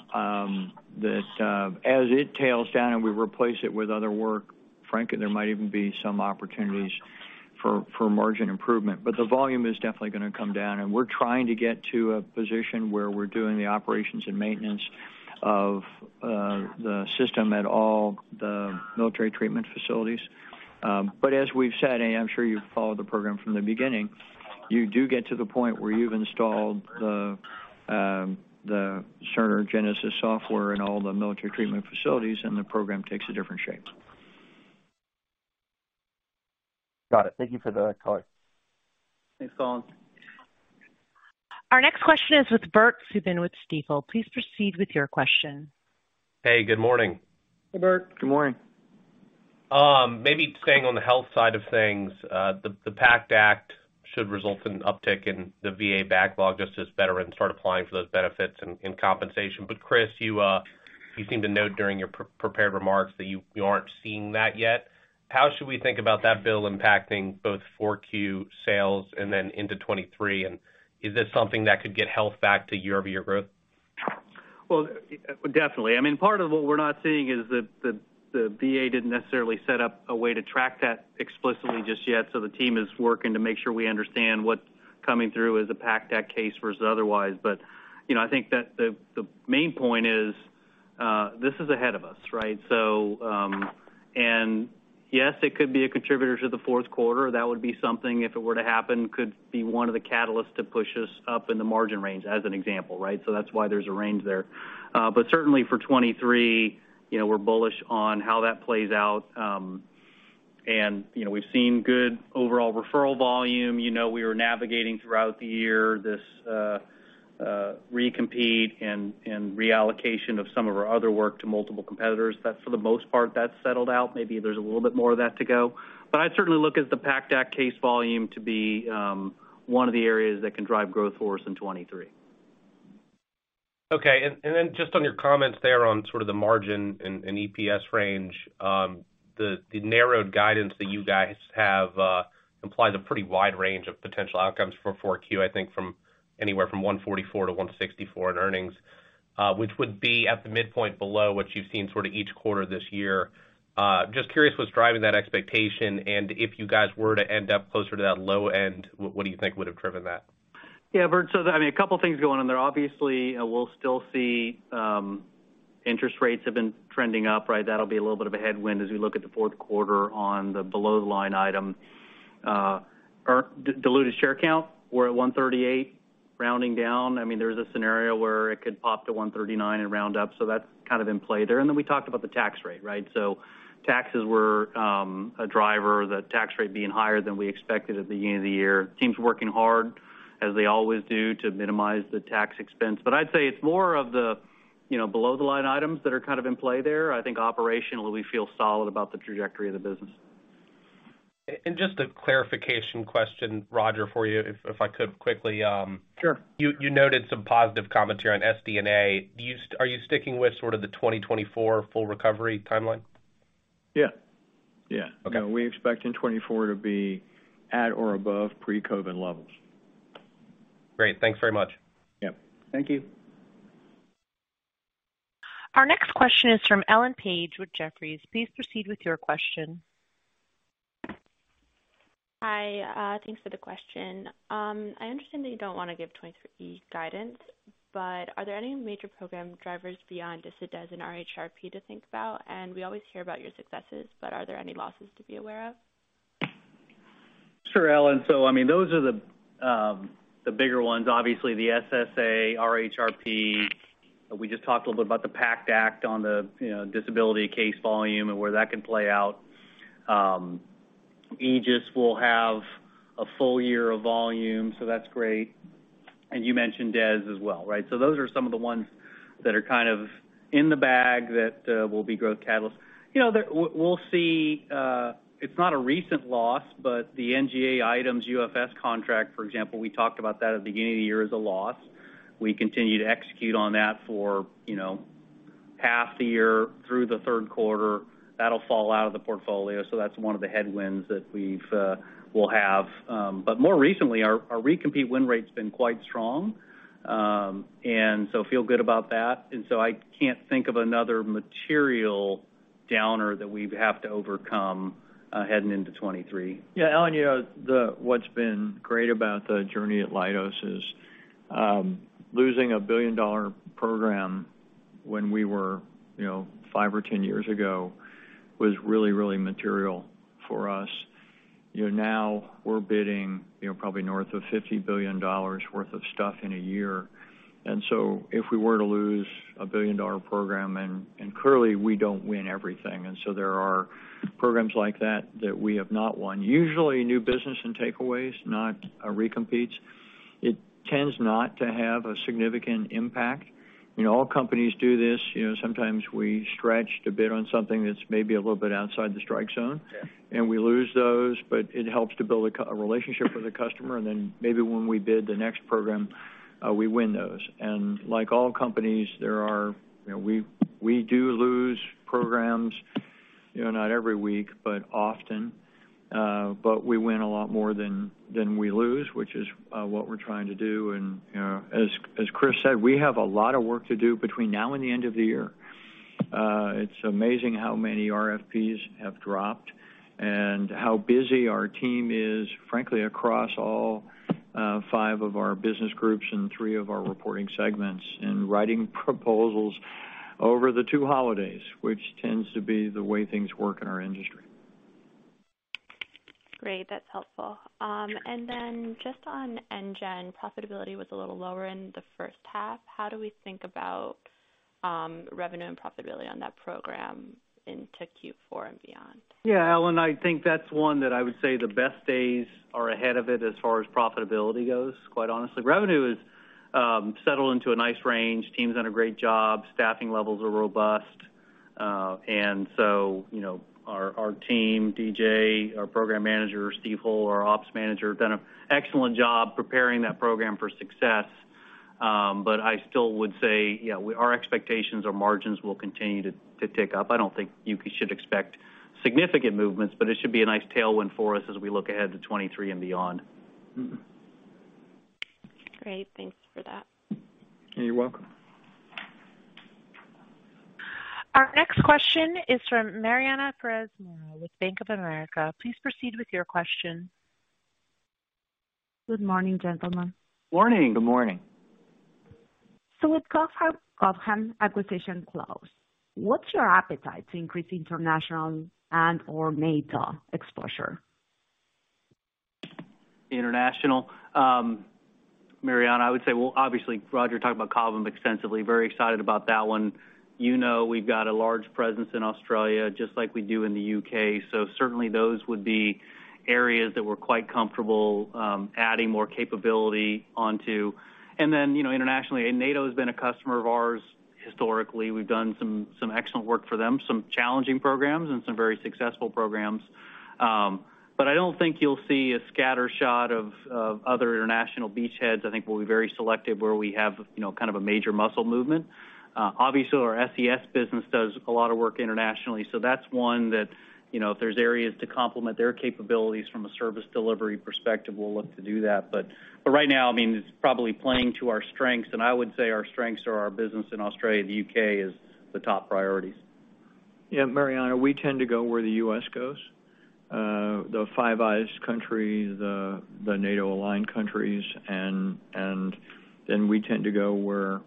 that as it tails down and we replace it with other work, frankly, there might even be some opportunities for margin improvement. The volume is definitely gonna come down, and we are trying to get to a position where we are doing the operations and maintenance of the system at all the military treatment facilities. As we've said, and I'm sure you've followed the program from the beginning, you do get to the point where you've installed the Cerner Genesis software in all the military treatment facilities, and the program takes a different shape. Got it. Thank you for the color. Thanks, Colin. Our next question is with Bert Subin with Stifel. Please proceed with your question. Hey, good morning. Hey, Bert. Good morning. Maybe staying on the health side of things. The PACT Act should result in an uptick in the VA backlog just as veterans start applying for those benefits and compensation. Chris, you seem to note during your prepared remarks that you aren't seeing that yet. How should we think about that bill impacting both 4Q sales and then into 2023? Is this something that could get health back to year-over-year growth? Well, definitely. I mean, part of what we're not seeing is the VA didn't necessarily set up a way to track that explicitly just yet, so the team is working to make sure we understand what's coming through as a PACT Act case versus otherwise. You know, I think that the main point is, this is ahead of us, right? Yes, it could be a contributor to the fourth quarter. That would be something if it were to happen, could be one of the catalysts to push us up in the margin range as an example, right? That's why there's a range there. Certainly for 2023, you know, we're bullish on how that plays out. You know, we've seen good overall referral volume. You know, we were navigating throughout the year this recompete and reallocation of some of our other work to multiple competitors. That's for the most part settled out. Maybe there's a little bit more of that to go. I'd certainly look at the PACT Act case volume to be one of the areas that can drive growth for us in 2023. Okay. Then just on your comments there on sort of the margin and EPS range, the narrowed guidance that you guys have implies a pretty wide range of potential outcomes for Q4, I think from anywhere from $1.44 to $1.64 in earnings, which would be at the midpoint below what you've seen sort of each quarter this year. Just curious what's driving that expectation, and if you guys were to end up closer to that low end, what do you think would've driven that? Yeah. Bert, I mean, a couple things going on there. Obviously, we'll still see, interest rates have been trending up, right? That'll be a little bit of a headwind as we look at the fourth quarter on the below-the-line item. Our diluted share count we're at 138, rounding down. I mean, there's a scenario where it could pop to 139 and round up, so that's kind of in play there. We talked about the tax rate, right? Taxes were, a driver, the tax rate being higher than we expected at the end of the year. Teams working hard as they always do to minimize the tax expense. I'd say it's more of the, you know, below-the-line items that are kind of in play there. I think operationally we feel solid about the trajectory of the business. Just a clarification question, Roger, for you if I could quickly, Sure. You noted some positive commentary on SDNA. Are you sticking with sort of the 2024 full recovery timeline? Yeah. Yeah. Okay. We expect in 2024 to be at or above pre-COVID levels. Great. Thanks very much. Yep. Thank you. Our next question is from Ellen Page with Jefferies. Please proceed with your question. Hi. Thanks for the question. I understand that you don't wanna give 2023 guidance, but are there any major program drivers beyond DES and RHRP to think about? We always hear about your successes, but are there any losses to be aware of? Sure, Ellen. I mean, those are the bigger ones. Obviously, the SSA, RHRP. We just talked a little bit about the PACT Act on the disability case volume and where that could play out. AEGIS will have a full year of volume, so that's great. You mentioned DES as well, right? Those are some of the ones that are kind of in the bag that will be growth catalysts. We'll see, it's not a recent loss, but the NGA ITEMS UFS contract, for example, we talked about that at the beginning of the year as a loss. We continue to execute on that for half the year through the third quarter. That'll fall out of the portfolio, so that's one of the headwinds that we will have. More recently, our recompete win rate's been quite strong. Feel good about that. I can't think of another material downer that we'd have to overcome, heading into 2023. Yeah, Ellen, you know, what's been great about the journey at Leidos is losing a billion-dollar program when we were, you know, five or 10 years ago was really, really material for us. You know, now we're bidding, you know, probably north of $50 billion worth of stuff in a year. If we were to lose a billion-dollar program, and clearly we don't win everything, and so there are programs like that that we have not won. Usually new business and takeaways, not our recompetes. It tends not to have a significant impact. You know, all companies do this. You know, sometimes we stretch to bid on something that's maybe a little bit outside the strike zone. Yeah. We lose those, but it helps to build a relationship with the customer, and then maybe when we bid the next program, we win those. Like all companies, there are, you know, we do lose programs, you know, not every week, but often, but we win a lot more than we lose, which is what we're trying to do. You know, as Chris said, we have a lot of work to do between now and the end of the year. It's amazing how many RFPs have dropped and how busy our team is, frankly, across all five of our business groups and three of our reporting segments and writing proposals over the two holidays, which tends to be the way things work in our industry. Great. That's helpful. Just on NGEN, profitability was a little lower in the first half. How do we think about revenue and profitability on that program into Q4 and beyond? Yeah, Ellen, I think that's one that I would say the best days are ahead of it as far as profitability goes, quite honestly. Revenue is settled into a nice range. Team's done a great job. Staffing levels are robust. You know, our team, DJ, our program manager, Steve Hull, our ops manager, have done an excellent job preparing that program for success. I still would say, yeah, our expectations for margins will continue to tick up. I don't think you should expect significant movements, but it should be a nice tailwind for us as we look ahead to 2023 and beyond. Mm-hmm. Great. Thanks for that. You're welcome. Our next question is from Mariana Perez Mora with Bank of America. Please proceed with your question. Good morning, gentlemen. Morning. Good morning. With Cobham acquisition close, what's your appetite to increase international and/or NATO exposure? International. Mariana, I would say, well, obviously, Roger talked about Cobham extensively. Very excited about that one. You know we've got a large presence in Australia just like we do in the U.K. Certainly those would be areas that we're quite comfortable adding more capability onto. You know, internationally, NATO has been a customer of ours historically. We've done some excellent work for them, some challenging programs and some very successful programs. I don't think you'll see a scattershot of other international beachheads. I think we'll be very selective where we have, you know, kind of a major muscle movement. Obviously, our SES business does a lot of work internationally, so that's one that, you know, if there's areas to complement their capabilities from a service delivery perspective, we'll look to do that. Right now, I mean, it's probably playing to our strengths. I would say our strengths are our business in Australia, the U.K. are the top priorities. Yeah, Mariana, we tend to go where the U.S. goes, the Five Eyes countries, the NATO-aligned countries, and then we tend to go where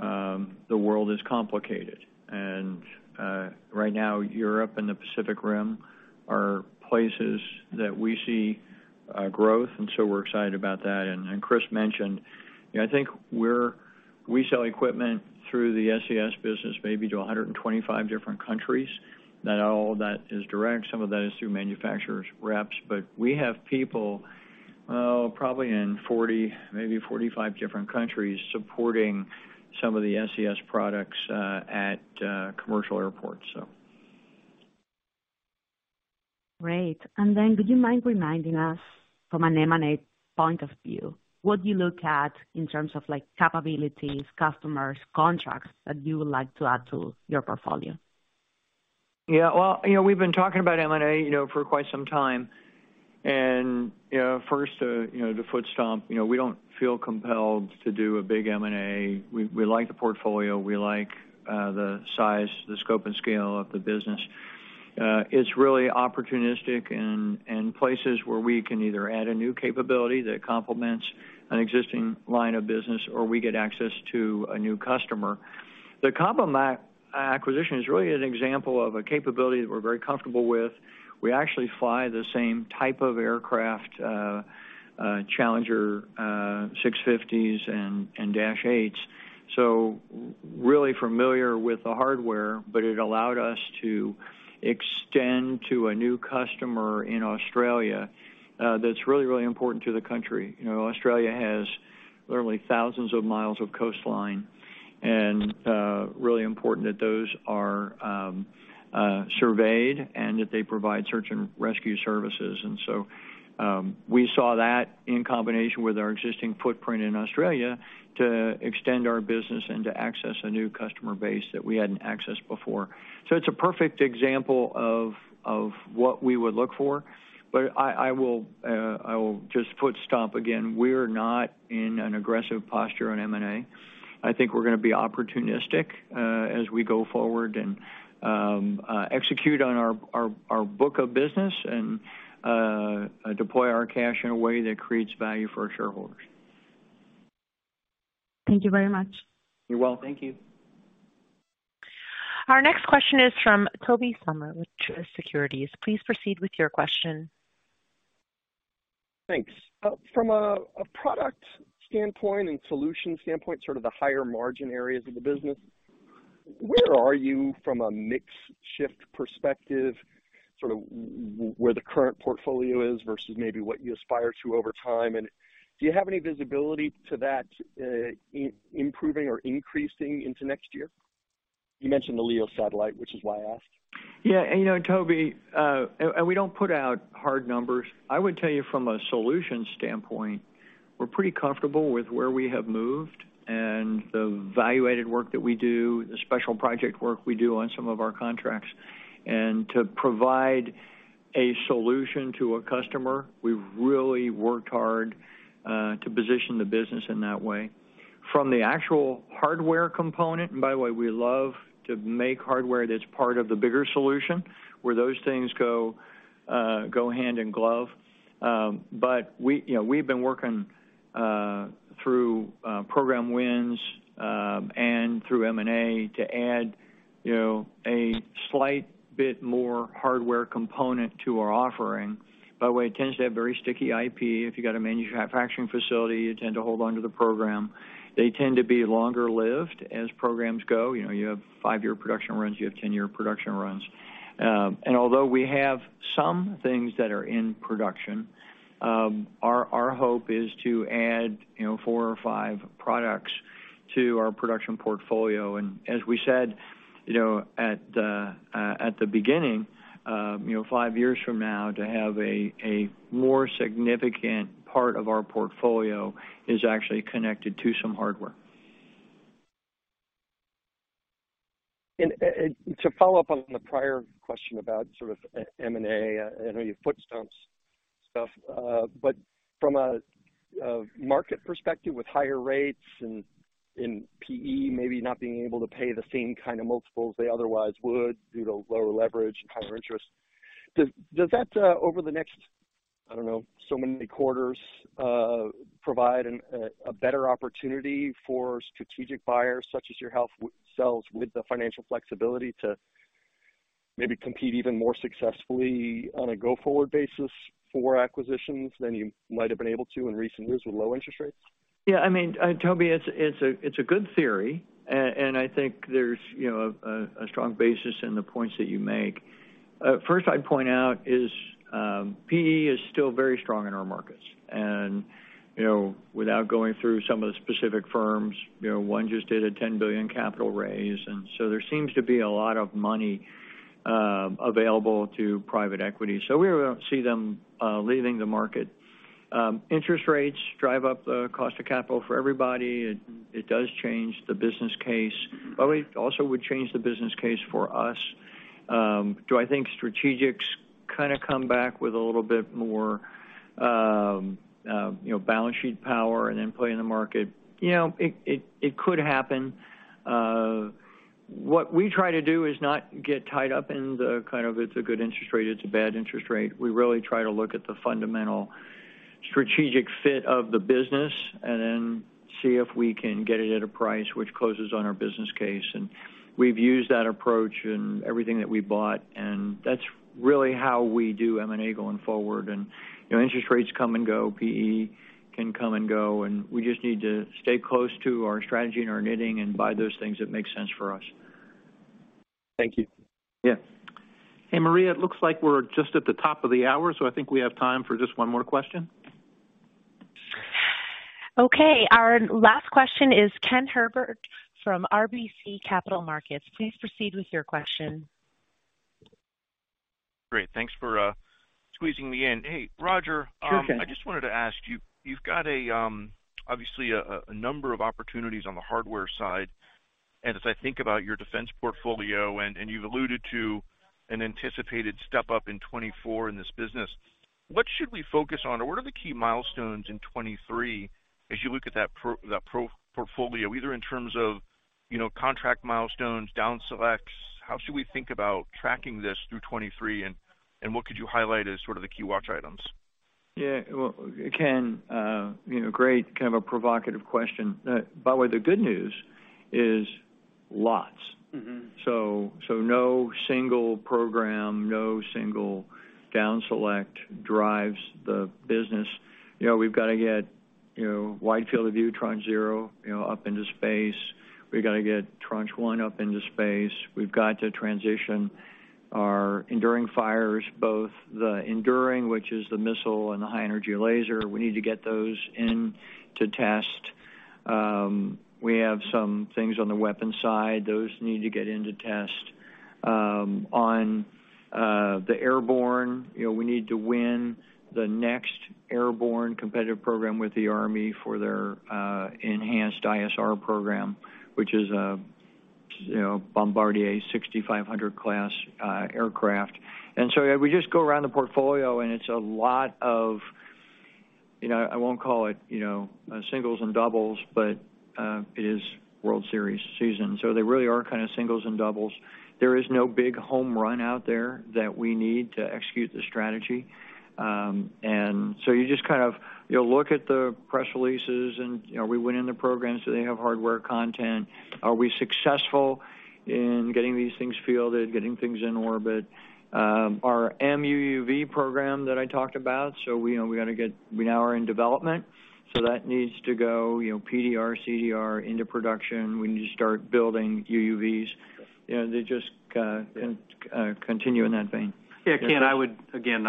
the world is complicated. Right now, Europe and the Pacific Rim are places that we see growth, and so we're excited about that. Chris mentioned, you know, I think we sell equipment through the SES business maybe to 125 different countries. Not all of that is direct, some of that is through manufacturers' reps. We have people probably in 40, maybe 45 different countries supporting some of the SES products at commercial airports. Great. Could you mind reminding us from an M&A point of view, what do you look at in terms of like, capabilities, customers, contracts that you would like to add to your portfolio? Yeah. Well, you know, we've been talking about M&A, you know, for quite some time. You know, first, you know, the foot stomp, you know, we don't feel compelled to do a big M&A. We like the portfolio, we like the size, the scope and scale of the business. It's really opportunistic and places where we can either add a new capability that complements an existing line of business or we get access to a new customer. The Cobham acquisition is really an example of a capability that we're very comfortable with. We actually fly the same type of aircraft, Challenger 650s and Dash 8s. Really familiar with the hardware, but it allowed us to extend to a new customer in Australia, that's really, really important to the country. You know, Australia has literally thousands of miles of coastline, and really important that those are surveyed and that they provide search and rescue services. We saw that in combination with our existing footprint in Australia to extend our business and to access a new customer base that we hadn't accessed before. It's a perfect example of what we would look for. I will just foot stomp again. We're not in an aggressive posture on M&A. I think we're gonna be opportunistic as we go forward and execute on our book of business and deploy our cash in a way that creates value for our shareholders. Thank you very much. You're welcome. Thank you. Our next question is from Tobey Sommer with Truist Securities. Please proceed with your question. Thanks. From a product standpoint and solution standpoint, sort of the higher margin areas of the business, where are you from a mix shift perspective, sort of where the current portfolio is versus maybe what you aspire to over time? And do you have any visibility to that, improving or increasing into next year? You mentioned the LEO satellite, which is why I asked. Yeah. You know, Tobey, and we don't put out hard numbers. I would tell you from a solution standpoint, we're pretty comfortable with where we have moved and the evaluated work that we do, the special project work we do on some of our contracts. To provide a solution to a customer, we've really worked hard to position the business in that way. From the actual hardware component, and by the way, we love to make hardware that's part of the bigger solution where those things go hand in glove. We, you know, we've been working through program wins and through M&A to add, you know, a slight bit more hardware component to our offering. By the way, it tends to have very sticky IP. If you got a manufacturing facility, you tend to hold onto the program. They tend to be longer lived as programs go. You know, you have five year production runs, you have 10-year production runs. Although we have some things that are in production, our hope is to add, you know, four or five products to our production portfolio. As we said, you know, at the beginning, you know, five years from now, to have a more significant part of our portfolio is actually connected to some hardware. To follow up on the prior question about sort of M&A, I know you foot stomped stuff. From a market perspective with higher rates and PE maybe not being able to pay the same kind of multiples they otherwise would due to lower leverage and higher interest, does that over the next, I don't know, so many quarters, provide a better opportunity for strategic buyers such as yourself with the financial flexibility to maybe compete even more successfully on a go-forward basis for acquisitions than you might have been able to in recent years with low interest rates? Yeah, I mean, Tobey, it's a good theory. I think there's, you know, a strong basis in the points that you make. First I'd point out is, PE is still very strong in our markets. You know, without going through some of the specific firms, you know, one just did a $10 billion capital raise, and so there seems to be a lot of money available to private equity. We don't see them leaving the market. Interest rates drive up the cost of capital for everybody. It does change the business case, but we also would change the business case for us. Do I think strategics kinda come back with a little bit more, you know, balance sheet power and then play in the market? You know, it could happen. What we try to do is not get tied up in the kind of, it's a good interest rate, it's a bad interest rate. We really try to look at the fundamental strategic fit of the business and then see if we can get it at a price which closes on our business case. We've used that approach in everything that we bought, and that's really how we do M&A going forward. You know, interest rates come and go. PE can come and go, and we just need to stay close to our strategy and our knitting and buy those things that make sense for us. Thank you. Yeah. Hey, Maria, it looks like we're just at the top of the hour, so I think we have time for just one more question. Okay. Our last question is Ken Herbert from RBC Capital Markets. Please proceed with your question. Great. Thanks for squeezing me in. Hey, Roger. Sure thing. I just wanted to ask you've got obviously a number of opportunities on the hardware side. As I think about your defense portfolio, you've alluded to an anticipated step-up in 2024 in this business, what should we focus on, or what are the key milestones in 2023 as you look at that portfolio, either in terms of, you know, contract milestones, down selects? How should we think about tracking this through 2023, what could you highlight as sort of the key watch items? Yeah. Well, Ken, you know, great kind of a provocative question. By the way, the good news is lots. Mm-hmm. No single program, no single down select drives the business. You know, we've gotta get you know wide field of view Tranche 0 you know up into space. We've gotta get Tranche 1 up into space. We've got to transition our enduring fires, both the enduring, which is the missile and the High Energy Laser. We need to get those into test. We have some things on the weapon side. Those need to get into test. On the airborne, you know, we need to win the next airborne competitive program with the Army for their enhanced ISR program, which is a you know Bombardier 6500 class aircraft. We just go around the portfolio and it's a lot of, you know, I won't call it, you know, singles and doubles, but, it is World Series season, so they really are kind of singles and doubles. There is no big home run out there that we need to execute the strategy. You just kind of, you know, look at the press releases and, you know, we went into programs, do they have hardware content? Are we successful in getting these things fielded, getting things in orbit? Our MUUV program that I talked about, we now are in development, so that needs to go, you know, PDR, CDR into production. We need to start building UUVs. You know, they just continue in that vein. Yeah. Ken, I would, again,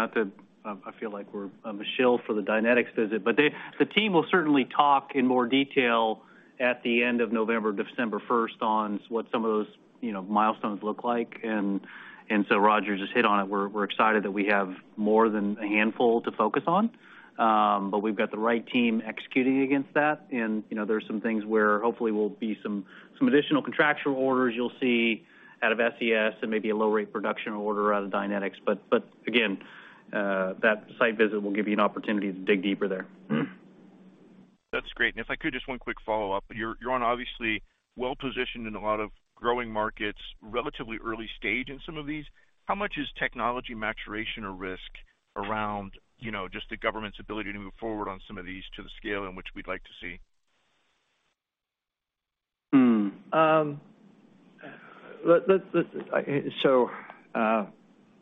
I feel like we're a shield for the Dynetics visit, but the team will certainly talk in more detail at the end of November, December first on what some of those, you know, milestones look like. Roger just hit on it. We're excited that we have more than a handful to focus on. We've got the right team executing against that. There are some things where hopefully will be some additional contractual orders you'll see out of SES and maybe a low rate production order out of Dynetics. Again, that site visit will give you an opportunity to dig deeper there. That's great. If I could, just one quick follow-up. You're obviously well-positioned in a lot of growing markets, relatively early stage in some of these. How much is technology maturation a risk around, you know, just the government's ability to move forward on some of these to the scale in which we'd like to see?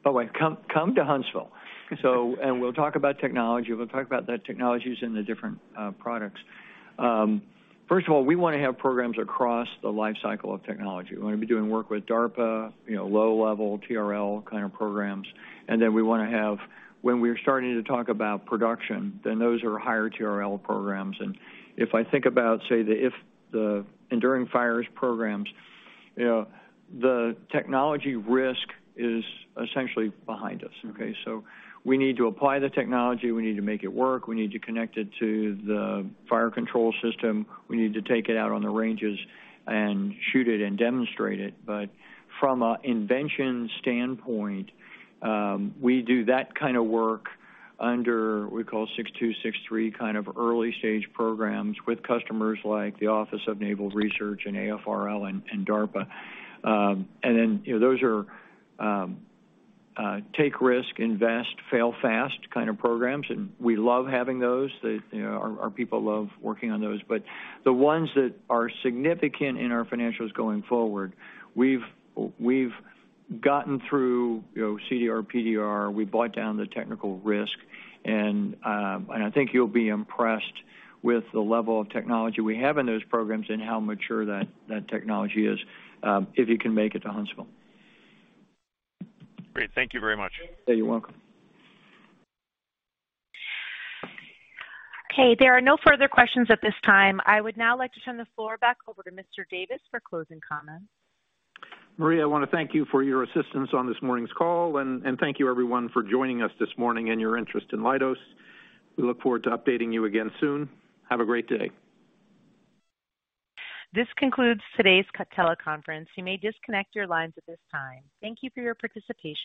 By the way, come to Huntsville, and we'll talk about technology. We'll talk about the technologies in the different products. First of all, we wanna have programs across the lifecycle of technology. We wanna be doing work with DARPA, you know, low level TRL kind of programs. Then we wanna have when we're starting to talk about production, then those are higher TRL programs. If I think about, say, if the enduring fires programs, you know, the technology risk is essentially behind us, okay? We need to apply the technology. We need to make it work. We need to connect it to the fire control system. We need to take it out on the ranges and shoot it and demonstrate it. From an invention standpoint, we do that kind of work under, we call six-two, six-three kind of early stage programs with customers like the Office of Naval Research and AFRL and DARPA. Then, you know, those are take risk, invest, fail fast kind of programs, and we love having those. They, you know, our people love working on those. The ones that are significant in our financials going forward, we've gotten through, you know, CDR, PDR. We bought down the technical risk. I think you'll be impressed with the level of technology we have in those programs and how mature that technology is, if you can make it to Huntsville. Great. Thank you very much. Yeah, you're welcome. Okay, there are no further questions at this time. I would now like to turn the floor back over to Mr. Davis for closing comments. Maria, I wanna thank you for your assistance on this morning's call. Thank you everyone for joining us this morning and your interest in Leidos. We look forward to updating you again soon. Have a great day. This concludes today's conference call. You may disconnect your lines at this time. Thank you for your participation.